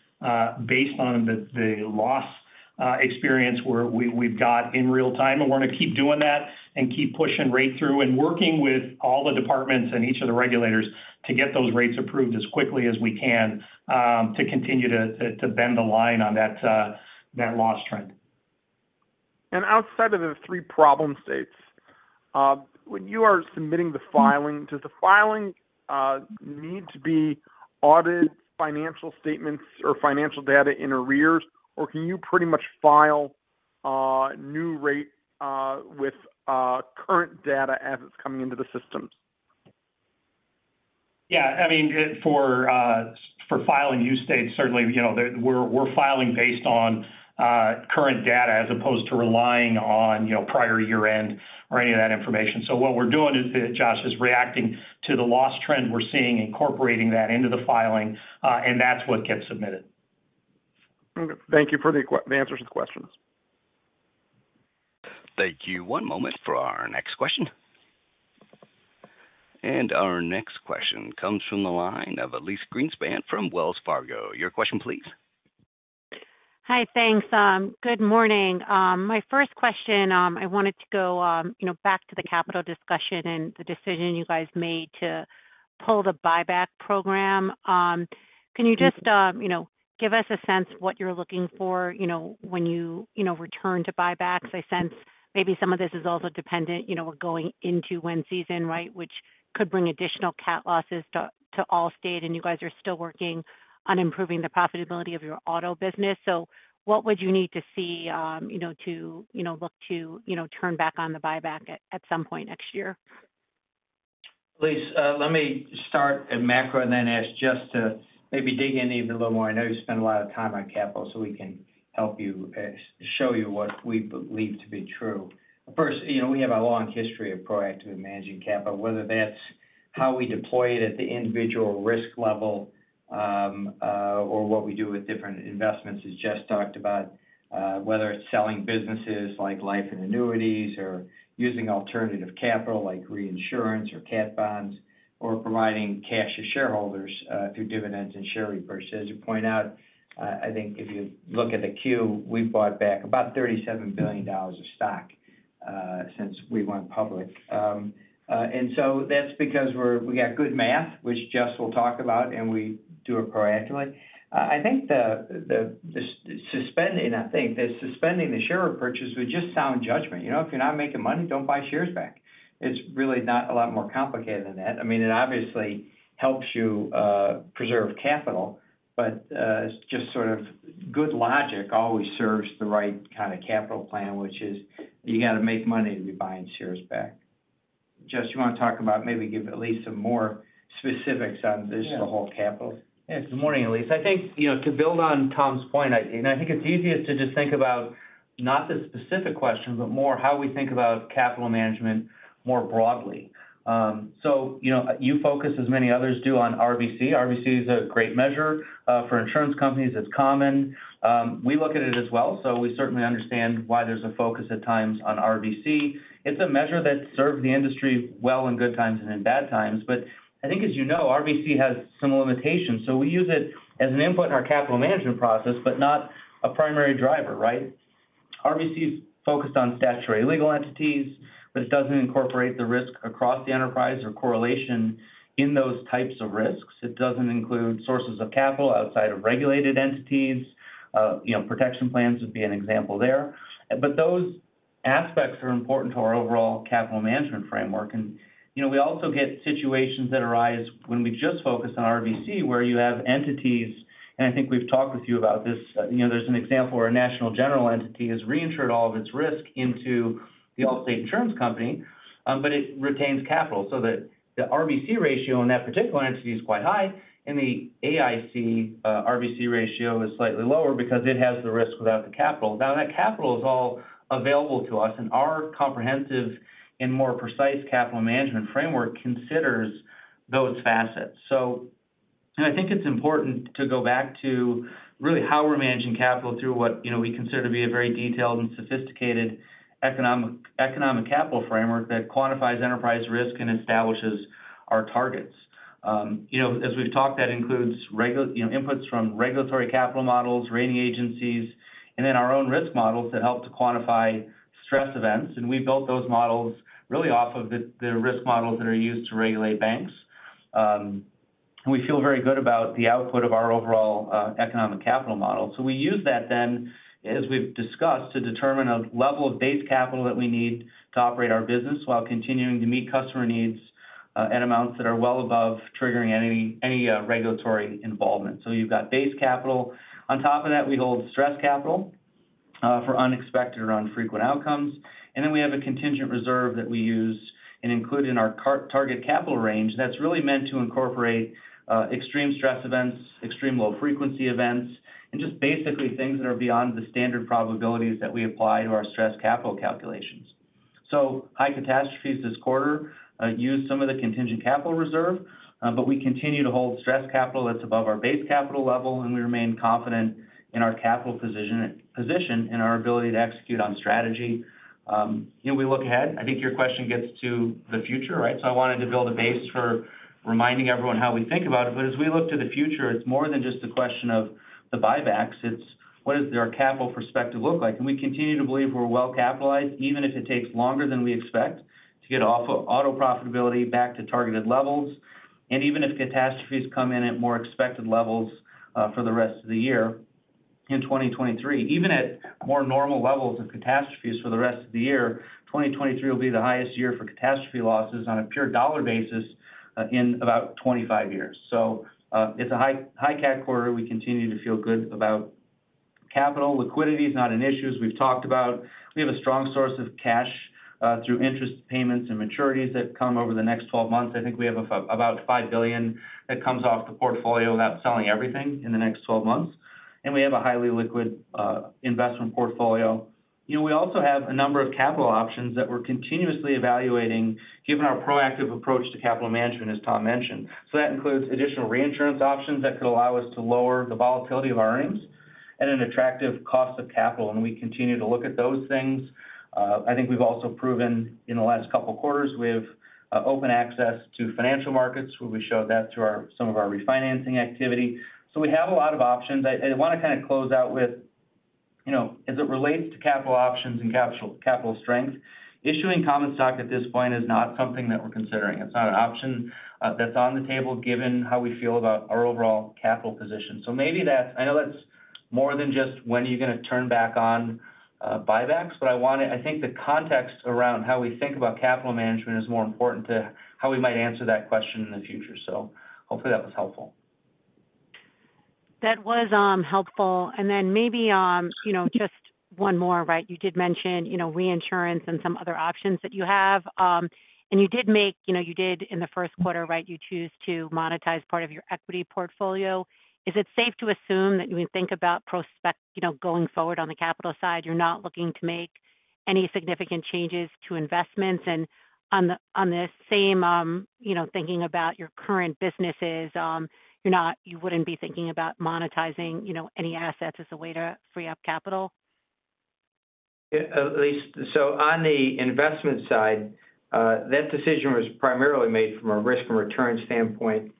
based on the loss ... experience where we, we've got in real time, we're gonna keep doing that and keep pushing rate through and working with all the departments and each of the regulators to get those rates approved as quickly as we can, to continue to, to bend the line on that, that loss trend. Outside of the three problem states, when you are submitting the filing, does the filing need to be audited financial statements or financial data in arrears? Can you pretty much file new rate with current data as it's coming into the systems? Yeah, I mean, for filing new states, certainly, you know, we're, we're filing based on current data as opposed to relying on, you know, prior year-end or any of that information. What we're doing is, Josh, is reacting to the loss trend we're seeing, incorporating that into the filing, and that's what gets submitted. Okay. Thank you for the answers to the questions. Thank you. One moment for our next question. Our next question comes from the line of Elyse Greenspan from Wells Fargo. Your question, please. Hi, thanks. Good morning. My first question, I wanted to go, you know, back to the capital discussion and the decision you guys made to pull the buyback program. Can you just, you know, give us a sense of what you're looking for, you know, when you, you know, return to buybacks? I sense maybe some of this is also dependent, you know, we're going into wind season, right, which could bring additional cat losses to The Allstate Corporation, and you guys are still working on improving the profitability of your auto business. What would you need to see, you know, to, you know, look to, you know, turn back on the buyback at, at some point next year? Elyse, let me start at macro and then ask Jess to maybe dig in even a little more. I know you spend a lot of time on capital. We can help you show you what we believe to be true. First, you know, we have a long history of proactively managing capital, whether that's how we deploy it at the individual risk level, or what we do with different investments, as Jess talked about, whether it's selling businesses like life and annuities or using alternative capital like reinsurance or cat bonds, or providing cash to shareholders through dividends and share repurchases. You point out, I think if you look at the Q, we've bought back about $37 billion of stock since we went public. That's because we're we got good math, which Jess will talk about, and we do it proactively. I think the, the, the suspending, I think, the suspending the share repurchase was just sound judgment. You know, if you're not making money, don't buy shares back. It's really not a lot more complicated than that. I mean, it obviously helps you, preserve capital, but, it's just sort of good logic always serves the right kind of capital plan, which is you got to make money to be buying shares back. Jess, you want to talk about maybe give Elyse some more specifics on this, the whole capital? Yes. Good morning, Elyse. I think to build on Tom's point, I think it's easiest to just think about not the specific question, but more how we think about capital management more broadly. You focus, as many others do, on RBC. RBC is a great measure for insurance companies, it's common. We look at it as well, we certainly understand why there's a focus at times on RBC. It's a measure that served the industry well in good times and in bad times. I think, as RBC has some limitations, so we use it as an input in our capital management process, but not a primary driver, right? RBC is focused on statutory legal entities, but it doesn't incorporate the risk across the enterprise or correlation in those types of risks. It doesn't include sources of capital outside of regulated entities. You know, protection plans would be an example there. Those aspects are important to our overall capital management framework. You know, we also get situations that arise when we just focus on RBC, where you have entities, and I think we've talked with you about this. You know, there's an example where a national general entity has reinsured all of its risk into the Allstate Insurance Company, but it retains capital. The, the RBC ratio in that particular entity is quite high, and the AIC, RBC ratio is slightly lower because it has the risk without the capital. That capital is all available to us, and our comprehensive and more precise capital management framework considers those facets. I think it's important to go back to really how we're managing capital through what, you know, we consider to be a very detailed and sophisticated economic, economic capital framework that quantifies enterprise risk and establishes our targets. You know, as we've talked, that includes regulatory inputs from regulatory capital models, rating agencies, and then our own risk models that help to quantify stress events. We built those models really off of the, the risk models that are used to regulate banks. We feel very good about the output of our overall economic capital model. We use that then, as we've discussed, to determine a level of base capital that we need to operate our business while continuing to meet customer needs at amounts that are well above triggering any, any regulatory involvement. You've got base capital. On top of that, we hold stress capital for unexpected or infrequent outcomes. Then we have a contingent reserve that we use and include in our target capital range that's really meant to incorporate extreme stress events, extreme low frequency events, and just basically things that are beyond the standard probabilities that we apply to our stress capital calculations. High catastrophes this quarter-... use some of the contingent capital reserve. We continue to hold stress capital that's above our base capital level, and we remain confident in our capital position, and our ability to execute on strategy. You know, we look ahead, I think your question gets to the future, right? I wanted to build a base for reminding everyone how we think about it. As we look to the future, it's more than just the question of the buybacks. It's what does our capital perspective look like? We continue to believe we're well capitalized, even if it takes longer than we expect to get off of auto profitability back to targeted levels. Even if catastrophes come in at more expected levels for the rest of the year in 2023. Even at more normal levels of catastrophes for the rest of the year, 2023 will be the highest year for catastrophe losses on a pure dollar basis, in about 25 years. So, it's a high, high cat quarter. We continue to feel good about capital. Liquidity is not an issue, as we've talked about. We have a strong source of cash, through interest payments and maturities that come over the next 12 months. I think we have about $5 billion that comes off the portfolio without selling everything in the next 12 months, and we have a highly liquid investment portfolio. You know, we also have a number of capital options that we're continuously evaluating, given our proactive approach to capital management, as Tom mentioned. That includes additional reinsurance options that could allow us to lower the volatility of our earnings at an attractive cost of capital. We continue to look at those things. I think we've also proven in the last couple of quarters, we have open access to financial markets, where we showed that through our, some of our refinancing activity. We have a lot of options. I want to kind of close out with, you know, as it relates to capital options and capital, capital strength, issuing common stock at this point is not something that we're considering. It's not an option that's on the table, given how we feel about our overall capital position. Maybe that Elyse more than just when are you going to turn back on, buybacks, but I think the context around how we think about capital management is more important to how we might answer that question in the future. Hopefully that was helpful. That was helpful. Then maybe, you know, just one more, right? You did mention, you know, reinsurance and some other options that you have. You did make, you know, you did in the first quarter, right, you choose to monetize part of your equity portfolio. Is it safe to assume that you would think about prospect, you know, going forward on the capital side, you're not looking to make any significant changes to investments? On the, on the same, you know, thinking about your current businesses, you're not, you wouldn't be thinking about monetizing, you know, any assets as a way to free up capital? Yeah, at least. On the investment side, that decision was primarily made from a risk and return standpoint,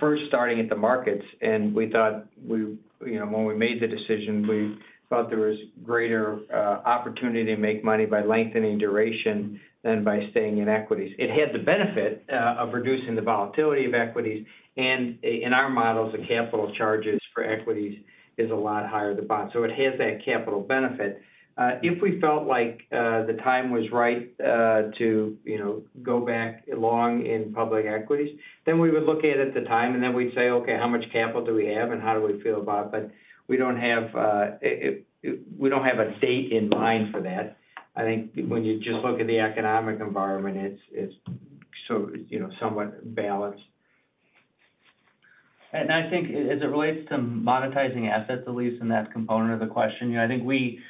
first starting at the markets, and we thought we, you know, when we made the decision, we thought there was greater opportunity to make money by lengthening duration than by staying in equities. It had the benefit of reducing the volatility of equities, and in our models, the capital charges for equities is a lot higher than bonds, so it has that capital benefit. If we felt like, the time was right, to, you know, go back long in public equities, then we would look at it at the time, and then we'd say, "Okay, how much capital do we have, and how do we feel about it?" We don't have a date in mind for that. I think when you just look at the economic environment, it's, it's so, you know, somewhat balanced. I think as it relates to monetizing assets, at least in that component of the question, you know, I think we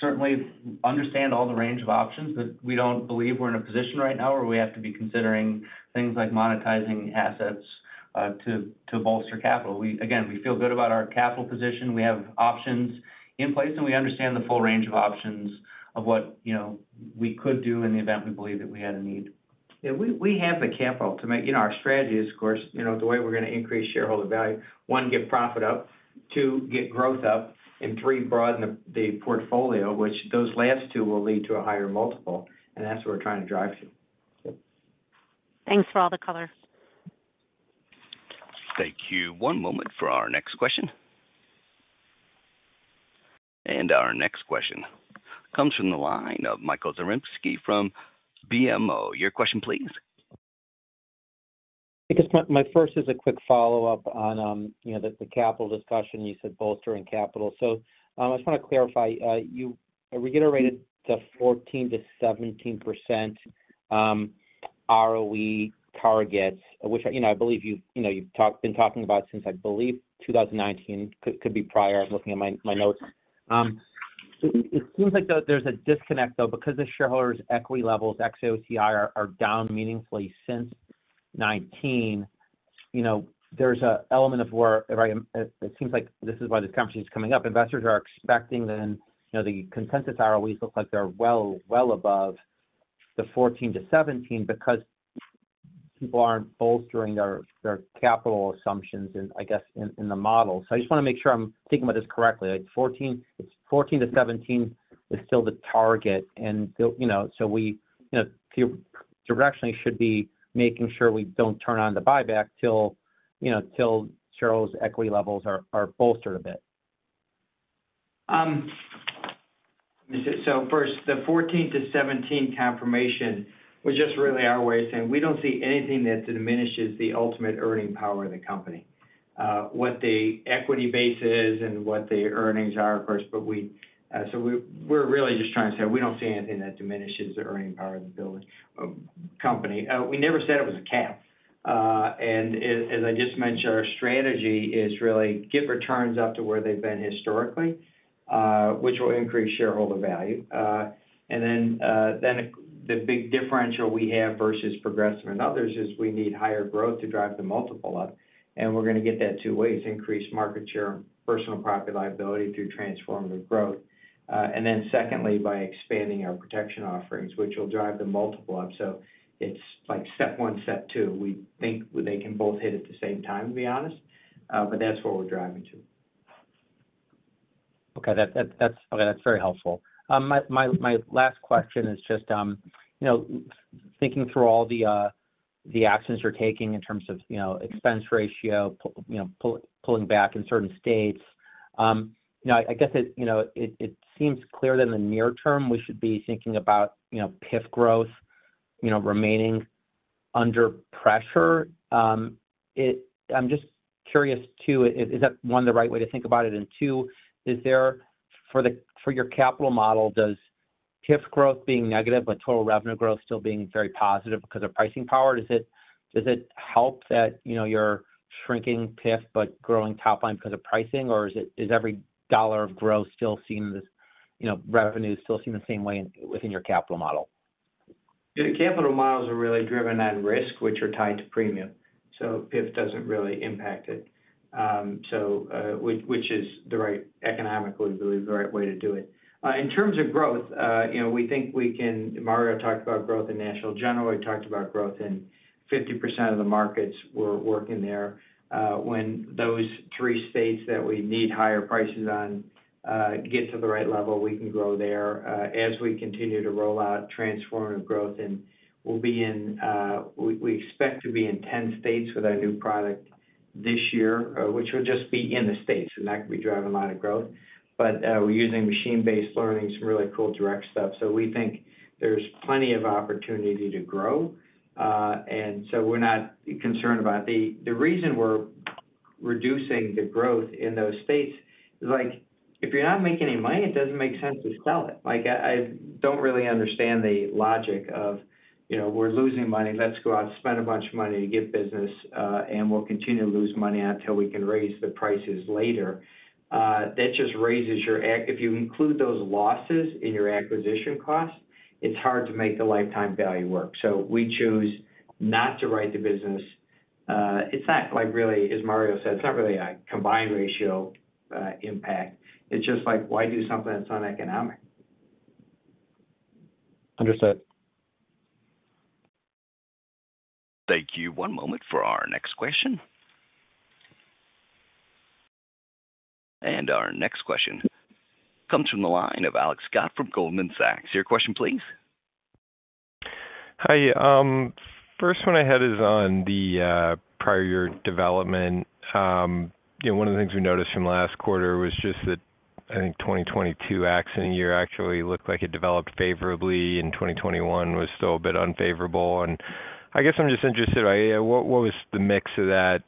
certainly understand all the range of options, but we don't believe we're in a position right now where we have to be considering things like monetizing assets, to, to bolster capital. We, again, we feel good about our capital position. We have options in place, and we understand the full range of options of what, you know, we could do in the event we believe that we had a need. Yeah, we, we have the capital to make... You know, our strategy is, of course, you know, the way we're going to increase shareholder value, 1, get profit up, 2, get growth up, and 3, broaden the, the portfolio, which those last two will lead to a higher multiple, and that's what we're trying to drive to. Thanks for all the color. Thank you. 1 moment for our next question. Our next question comes from the line of Michael Zaremski from BMO. Your question, please. I guess my, my first is a quick follow-up on, you know, the, the capital discussion. You said bolstering capital. I just want to clarify, you reiterated the 14%-17% ROE targets, which, you know, I believe you've, you know, you've been talking about since I believe 2019, could, could be prior. I'm looking at my, my notes. It seems like there, there's a disconnect, though, because the shareholders' equity levels, ex OCI, are, are down meaningfully since 2019. You know, there's an element of where, if I am, it seems like this is why this conversation is coming up. Investors are expecting then, you know, the consensus ROEs look like they're well, well above the 14%-17% because people aren't bolstering their, their capital assumptions in, I guess, in, in the model. I just want to make sure I'm thinking about this correctly. Like, 14, it's 14%-17% is still the target, and the, you know, so we, you know, directionally should be making sure we don't turn on the buyback till, you know, till shareholders' equity levels are, are bolstered a bit. First, the 14%-17% confirmation was just really our way of saying we don't see anything that diminishes the ultimate earning power of the company. What the equity base is and what the earnings are, of course, but we, we're really just trying to say we don't see anything that diminishes the earning power of the building company. We never said it was a cap. As, as I just mentioned, our strategy is really get returns up to where they've been historically, which will increase shareholder value. Then the, the big differential we have versus Progressive and others is we need higher growth to drive the multiple up, and we're gonna get that two ways: increase market share, personal property-liability through transformative growth. Secondly, by expanding our protection offerings, which will drive the multiple up. It's like step one, step two. We think they can both hit at the same time, to be honest, that's where we're driving to. Okay, that, that's okay, that's very helpful. my, my, my last question is just, you know, thinking through all the actions you're taking in terms of, you know, expense ratio, you know, pulling back in certain states, you know, I guess it, you know, it, it seems clear that in the near term, we should be thinking about, you know, PIF growth, you know, remaining under pressure. I'm just curious, too, is, is that, one, the right way to think about it? Two, is there, for the, for your capital model, does PIF growth being negative, but total revenue growth still being very positive because of pricing power, does it, does it help that, you know, you're shrinking PIF, but growing top line because of pricing? Is it, does every dollar of growth still seem as, you know, revenue still seem the same way within your capital model? The capital models are really driven on risk, which are tied to premium, so PIF doesn't really impact it. Which, which is the right, economically, really the right way to do it. In terms of growth, you know, we think we can... Mario talked about growth in National General. We talked about growth in 50% of the markets we're working there. When those 3 states that we need higher prices on get to the right level, we can grow there, as we continue to roll out transformative growth, and we'll be in, we expect to be in 10 states with our new product this year, which will just be in the states, and that could be driving a lot of growth. We're using machine-based learning, some really cool direct stuff, so we think there's plenty of opportunity to grow, and so we're not concerned about it. The reason we're reducing the growth in those states is, like, if you're not making any money, it doesn't make sense to sell it. Like, I, I don't really understand the logic of, you know, we're losing money, let's go out and spend a bunch of money to get business, and we'll continue to lose money until we can raise the prices later. That just raises your ac- if you include those losses in your acquisition costs, it's hard to make the lifetime value work. We choose not to write the business. It's not like, really, as Mario said, it's not really a combined ratio impact. It's just like, why do something that's uneconomic? Understood. Thank you. One moment for our next question. Our next question comes from the line of Alex Scott from Goldman Sachs. Your question, please. Hi, first one I had is on the prior year development. You know, one of the things we noticed from last quarter was just that, I think, 2022 accident year actually looked like it developed favorably, and 2021 was still a bit unfavorable. I guess I'm just interested, yeah, what, what was the mix of that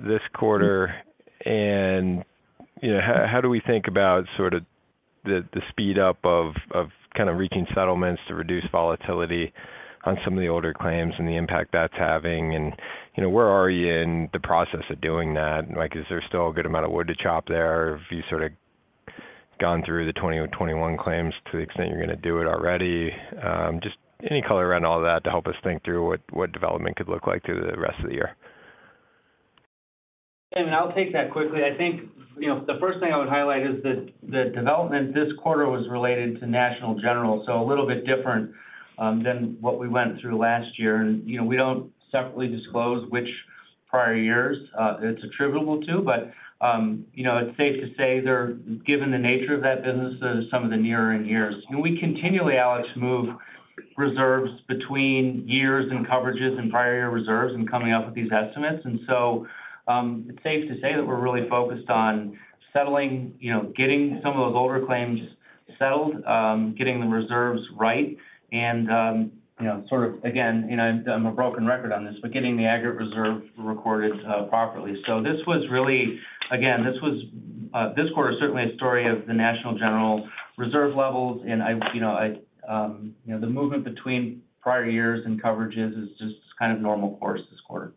this quarter? You know, how, how do we think about sort of the, the speed up of, of kind of reaching settlements to reduce volatility on some of the older claims and the impact that's having, you know, where are you in the process of doing that? Like, is there still a good amount of wood to chop there? Have you sort of gone through the 20 or 21 claims to the extent you're going to do it already? Just any color around all that to help us think through what, what development could look like through the rest of the year? I'll take that quickly. I think, you know, the first thing I would highlight is that the development this quarter was related to National General, so a little bit different than what we went through last year. You know, we don't separately disclose which prior years it's attributable to, but, you know, it's safe to say they're, given the nature of that business, some of the nearer in years. We continually, Alex, move reserves between years and coverages and prior year reserves and coming up with these estimates. So, it's safe to say that we're really focused on settling, you know, getting some of those older claims settled, getting the reserves right, and, you know, sort of, again, you know, I'm a broken record on this, but getting the aggregate reserve recorded properly. This was really, again, this was, this quarter is certainly a story of the National General reserve levels, and I, you know, I, you know, the movement between prior years and coverages is just kind of normal course this quarter.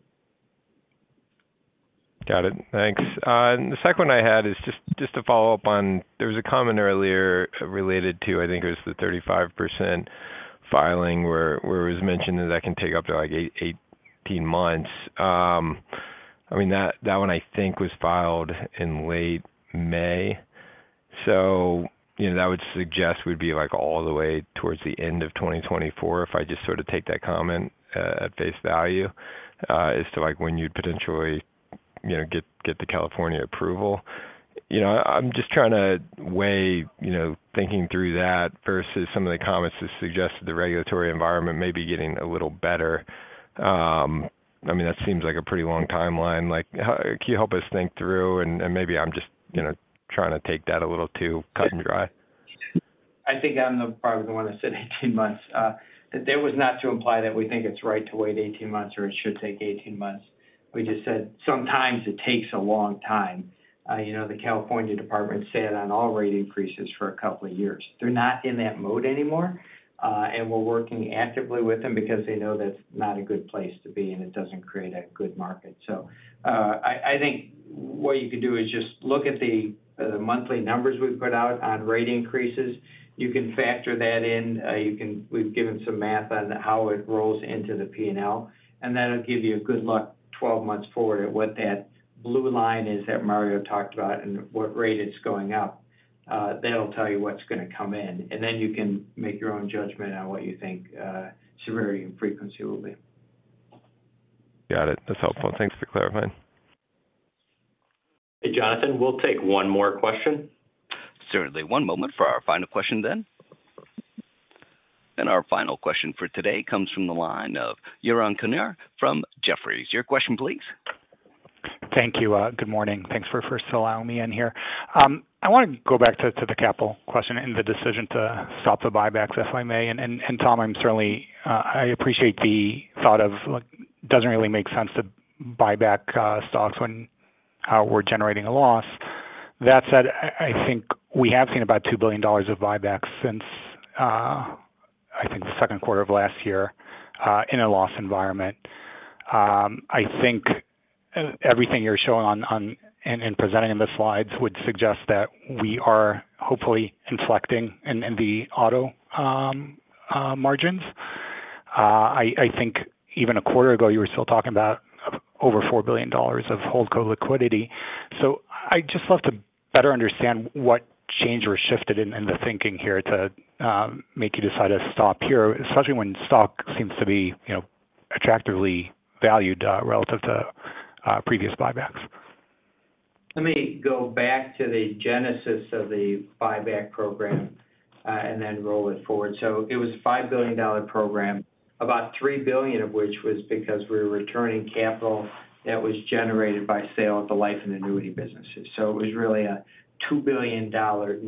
Got it. Thanks. The second one I had is just, just to follow up on, there was a comment earlier related to, I think it was the 35% filing, where, where it was mentioned that, that can take up to, like, 18 months. I mean, that, that one, I think, was filed in late May. You know, that would suggest we'd be, like, all the way towards the end of 2024, if I just sort of take that comment at face value as to, like, when you'd potentially, you know, get, get the California approval. You know, I'm just trying to weigh, you know, thinking through that versus some of the comments that suggest the regulatory environment may be getting a little better. I mean, that seems like a pretty long timeline. Like, how-- can you help us think through, and maybe I'm just, you know, trying to take that a little too cut and dry? I think I'm the, probably the one that said 18 months. That was not to imply that we think it's right to wait 18 months or it should take 18 months. We just said sometimes it takes a long time. You know, the California Department sat on all rate increases for 2 years. They're not in that mode anymore, and we're working actively with them because they know that's not a good place to be, and it doesn't create a good market. I, I think what you could do is just look at the, the monthly numbers we've put out on rate increases. You can factor that in. You can-- we've given some math on how it rolls into the P&L. That'll give you a good look 12 months forward at what that blue line is that Mario talked about and what rate it's going up. That'll tell you what's gonna come in. Then you can make your own judgment on what you think, severity and frequency will be. Got it. That's helpful. Thanks for clarifying. Hey, Jonathan, we'll take one more question. Certainly. One moment for our final question then. Our final question for today comes from the line of Yaron Kinar from Jefferies. Your question, please. Thank you. Good morning. Thanks for first allowing me in here. I wanna go back to, to the capital question and the decision to stop the buybacks, if I may. Tom, I'm certainly, I appreciate the thought of, like, doesn't really make sense to buy back stocks when we're generating a loss. That said, I, I think we have seen about $2 billion of buybacks since I think the second quarter of last year in a loss environment. I think everything you're showing on, on, and, and presenting in the slides would suggest that we are hopefully inflecting in, in the auto margins. I, I think even a quarter ago, you were still talking about over $4 billion of holdco liquidity. I'd just love to better understand what change or shifted in, in the thinking here to make you decide to stop here, especially when stock seems to be, you know, attractively valued, relative to previous buybacks. Let me go back to the genesis of the buyback program, and then roll it forward. It was a $5 billion program, about $3 billion of which was because we were returning capital that was generated by sale of the life and annuity businesses. It was really a $2 billion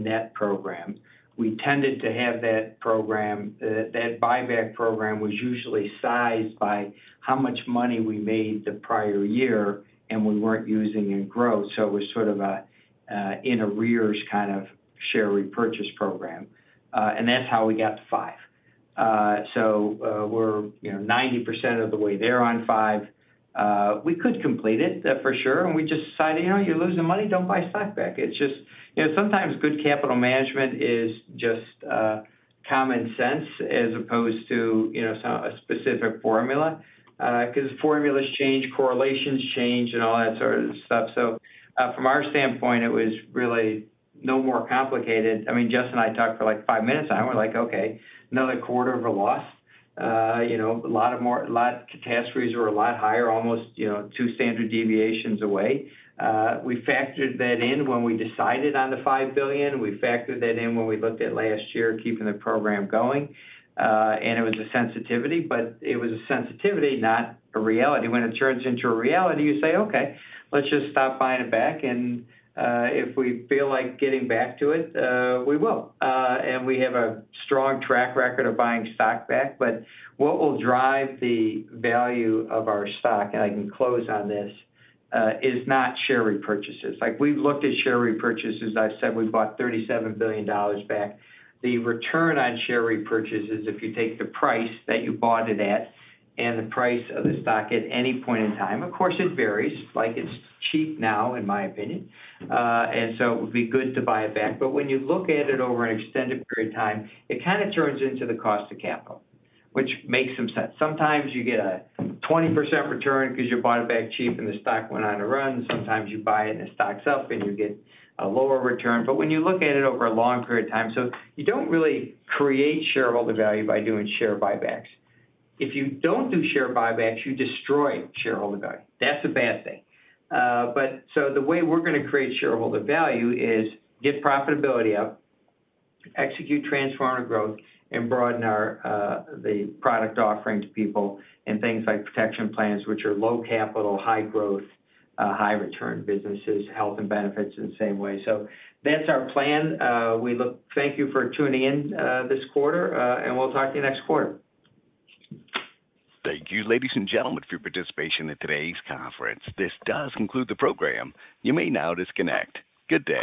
net program. We tended to have that program. That buyback program was usually sized by how much money we made the prior year, and we weren't using in growth, so it was sort of a, in arrears kind of share repurchase program. That's how we got to 5. We're, you know, 90% of the way there on 5. We could complete it, for sure, and we just decided, you know, you're losing money, don't buy stock back. It's just, you know, sometimes good capital management is just common sense as opposed to, you know, a specific formula, 'cause formulas change, correlations change, and all that sort of stuff. From our standpoint, it was really no more complicated. I mean, Justin and I talked for, like, 5 minutes, and we're like, okay, another quarter of a loss. You know, catastrophes were a lot higher, almost, you know, 2 standard deviations away. We factored that in when we decided on the $5 billion. We factored that in when we looked at last year, keeping the program going, and it was a sensitivity, but it was a sensitivity, not a reality. When it turns into a reality, you say, "Okay, let's just stop buying it back, and if we feel like getting back to it, we will." We have a strong track record of buying stock back. What will drive the value of our stock, and I can close on this, is not share repurchases. Like, we've looked at share repurchases. I've said we've bought $37 billion back. The return on share repurchases, if you take the price that you bought it at and the price of the stock at any point in time, of course, it varies. Like, it's cheap now, in my opinion, and so it would be good to buy it back. When you look at it over an extended period of time, it kind of turns into the cost of capital, which makes some sense. Sometimes you get a 20% return because you bought it back cheap, and the stock went on a run. Sometimes you buy it, and the stock's up, and you get a lower return. When you look at it over a long period of time, so you don't really create shareholder value by doing share buybacks. If you don't do share buybacks, you destroy shareholder value. That's a bad thing. So the way we're gonna create shareholder value is get profitability up, execute transformer growth, and broaden our the product offering to people and things like protection plans, which are low capital, high growth, high return businesses, health and benefits in the same way. That's our plan. Thank you for tuning in this quarter, and we'll talk to you next quarter. Thank you, ladies and gentlemen, for your participation in today's conference. This does conclude the program. You may now disconnect. Good day.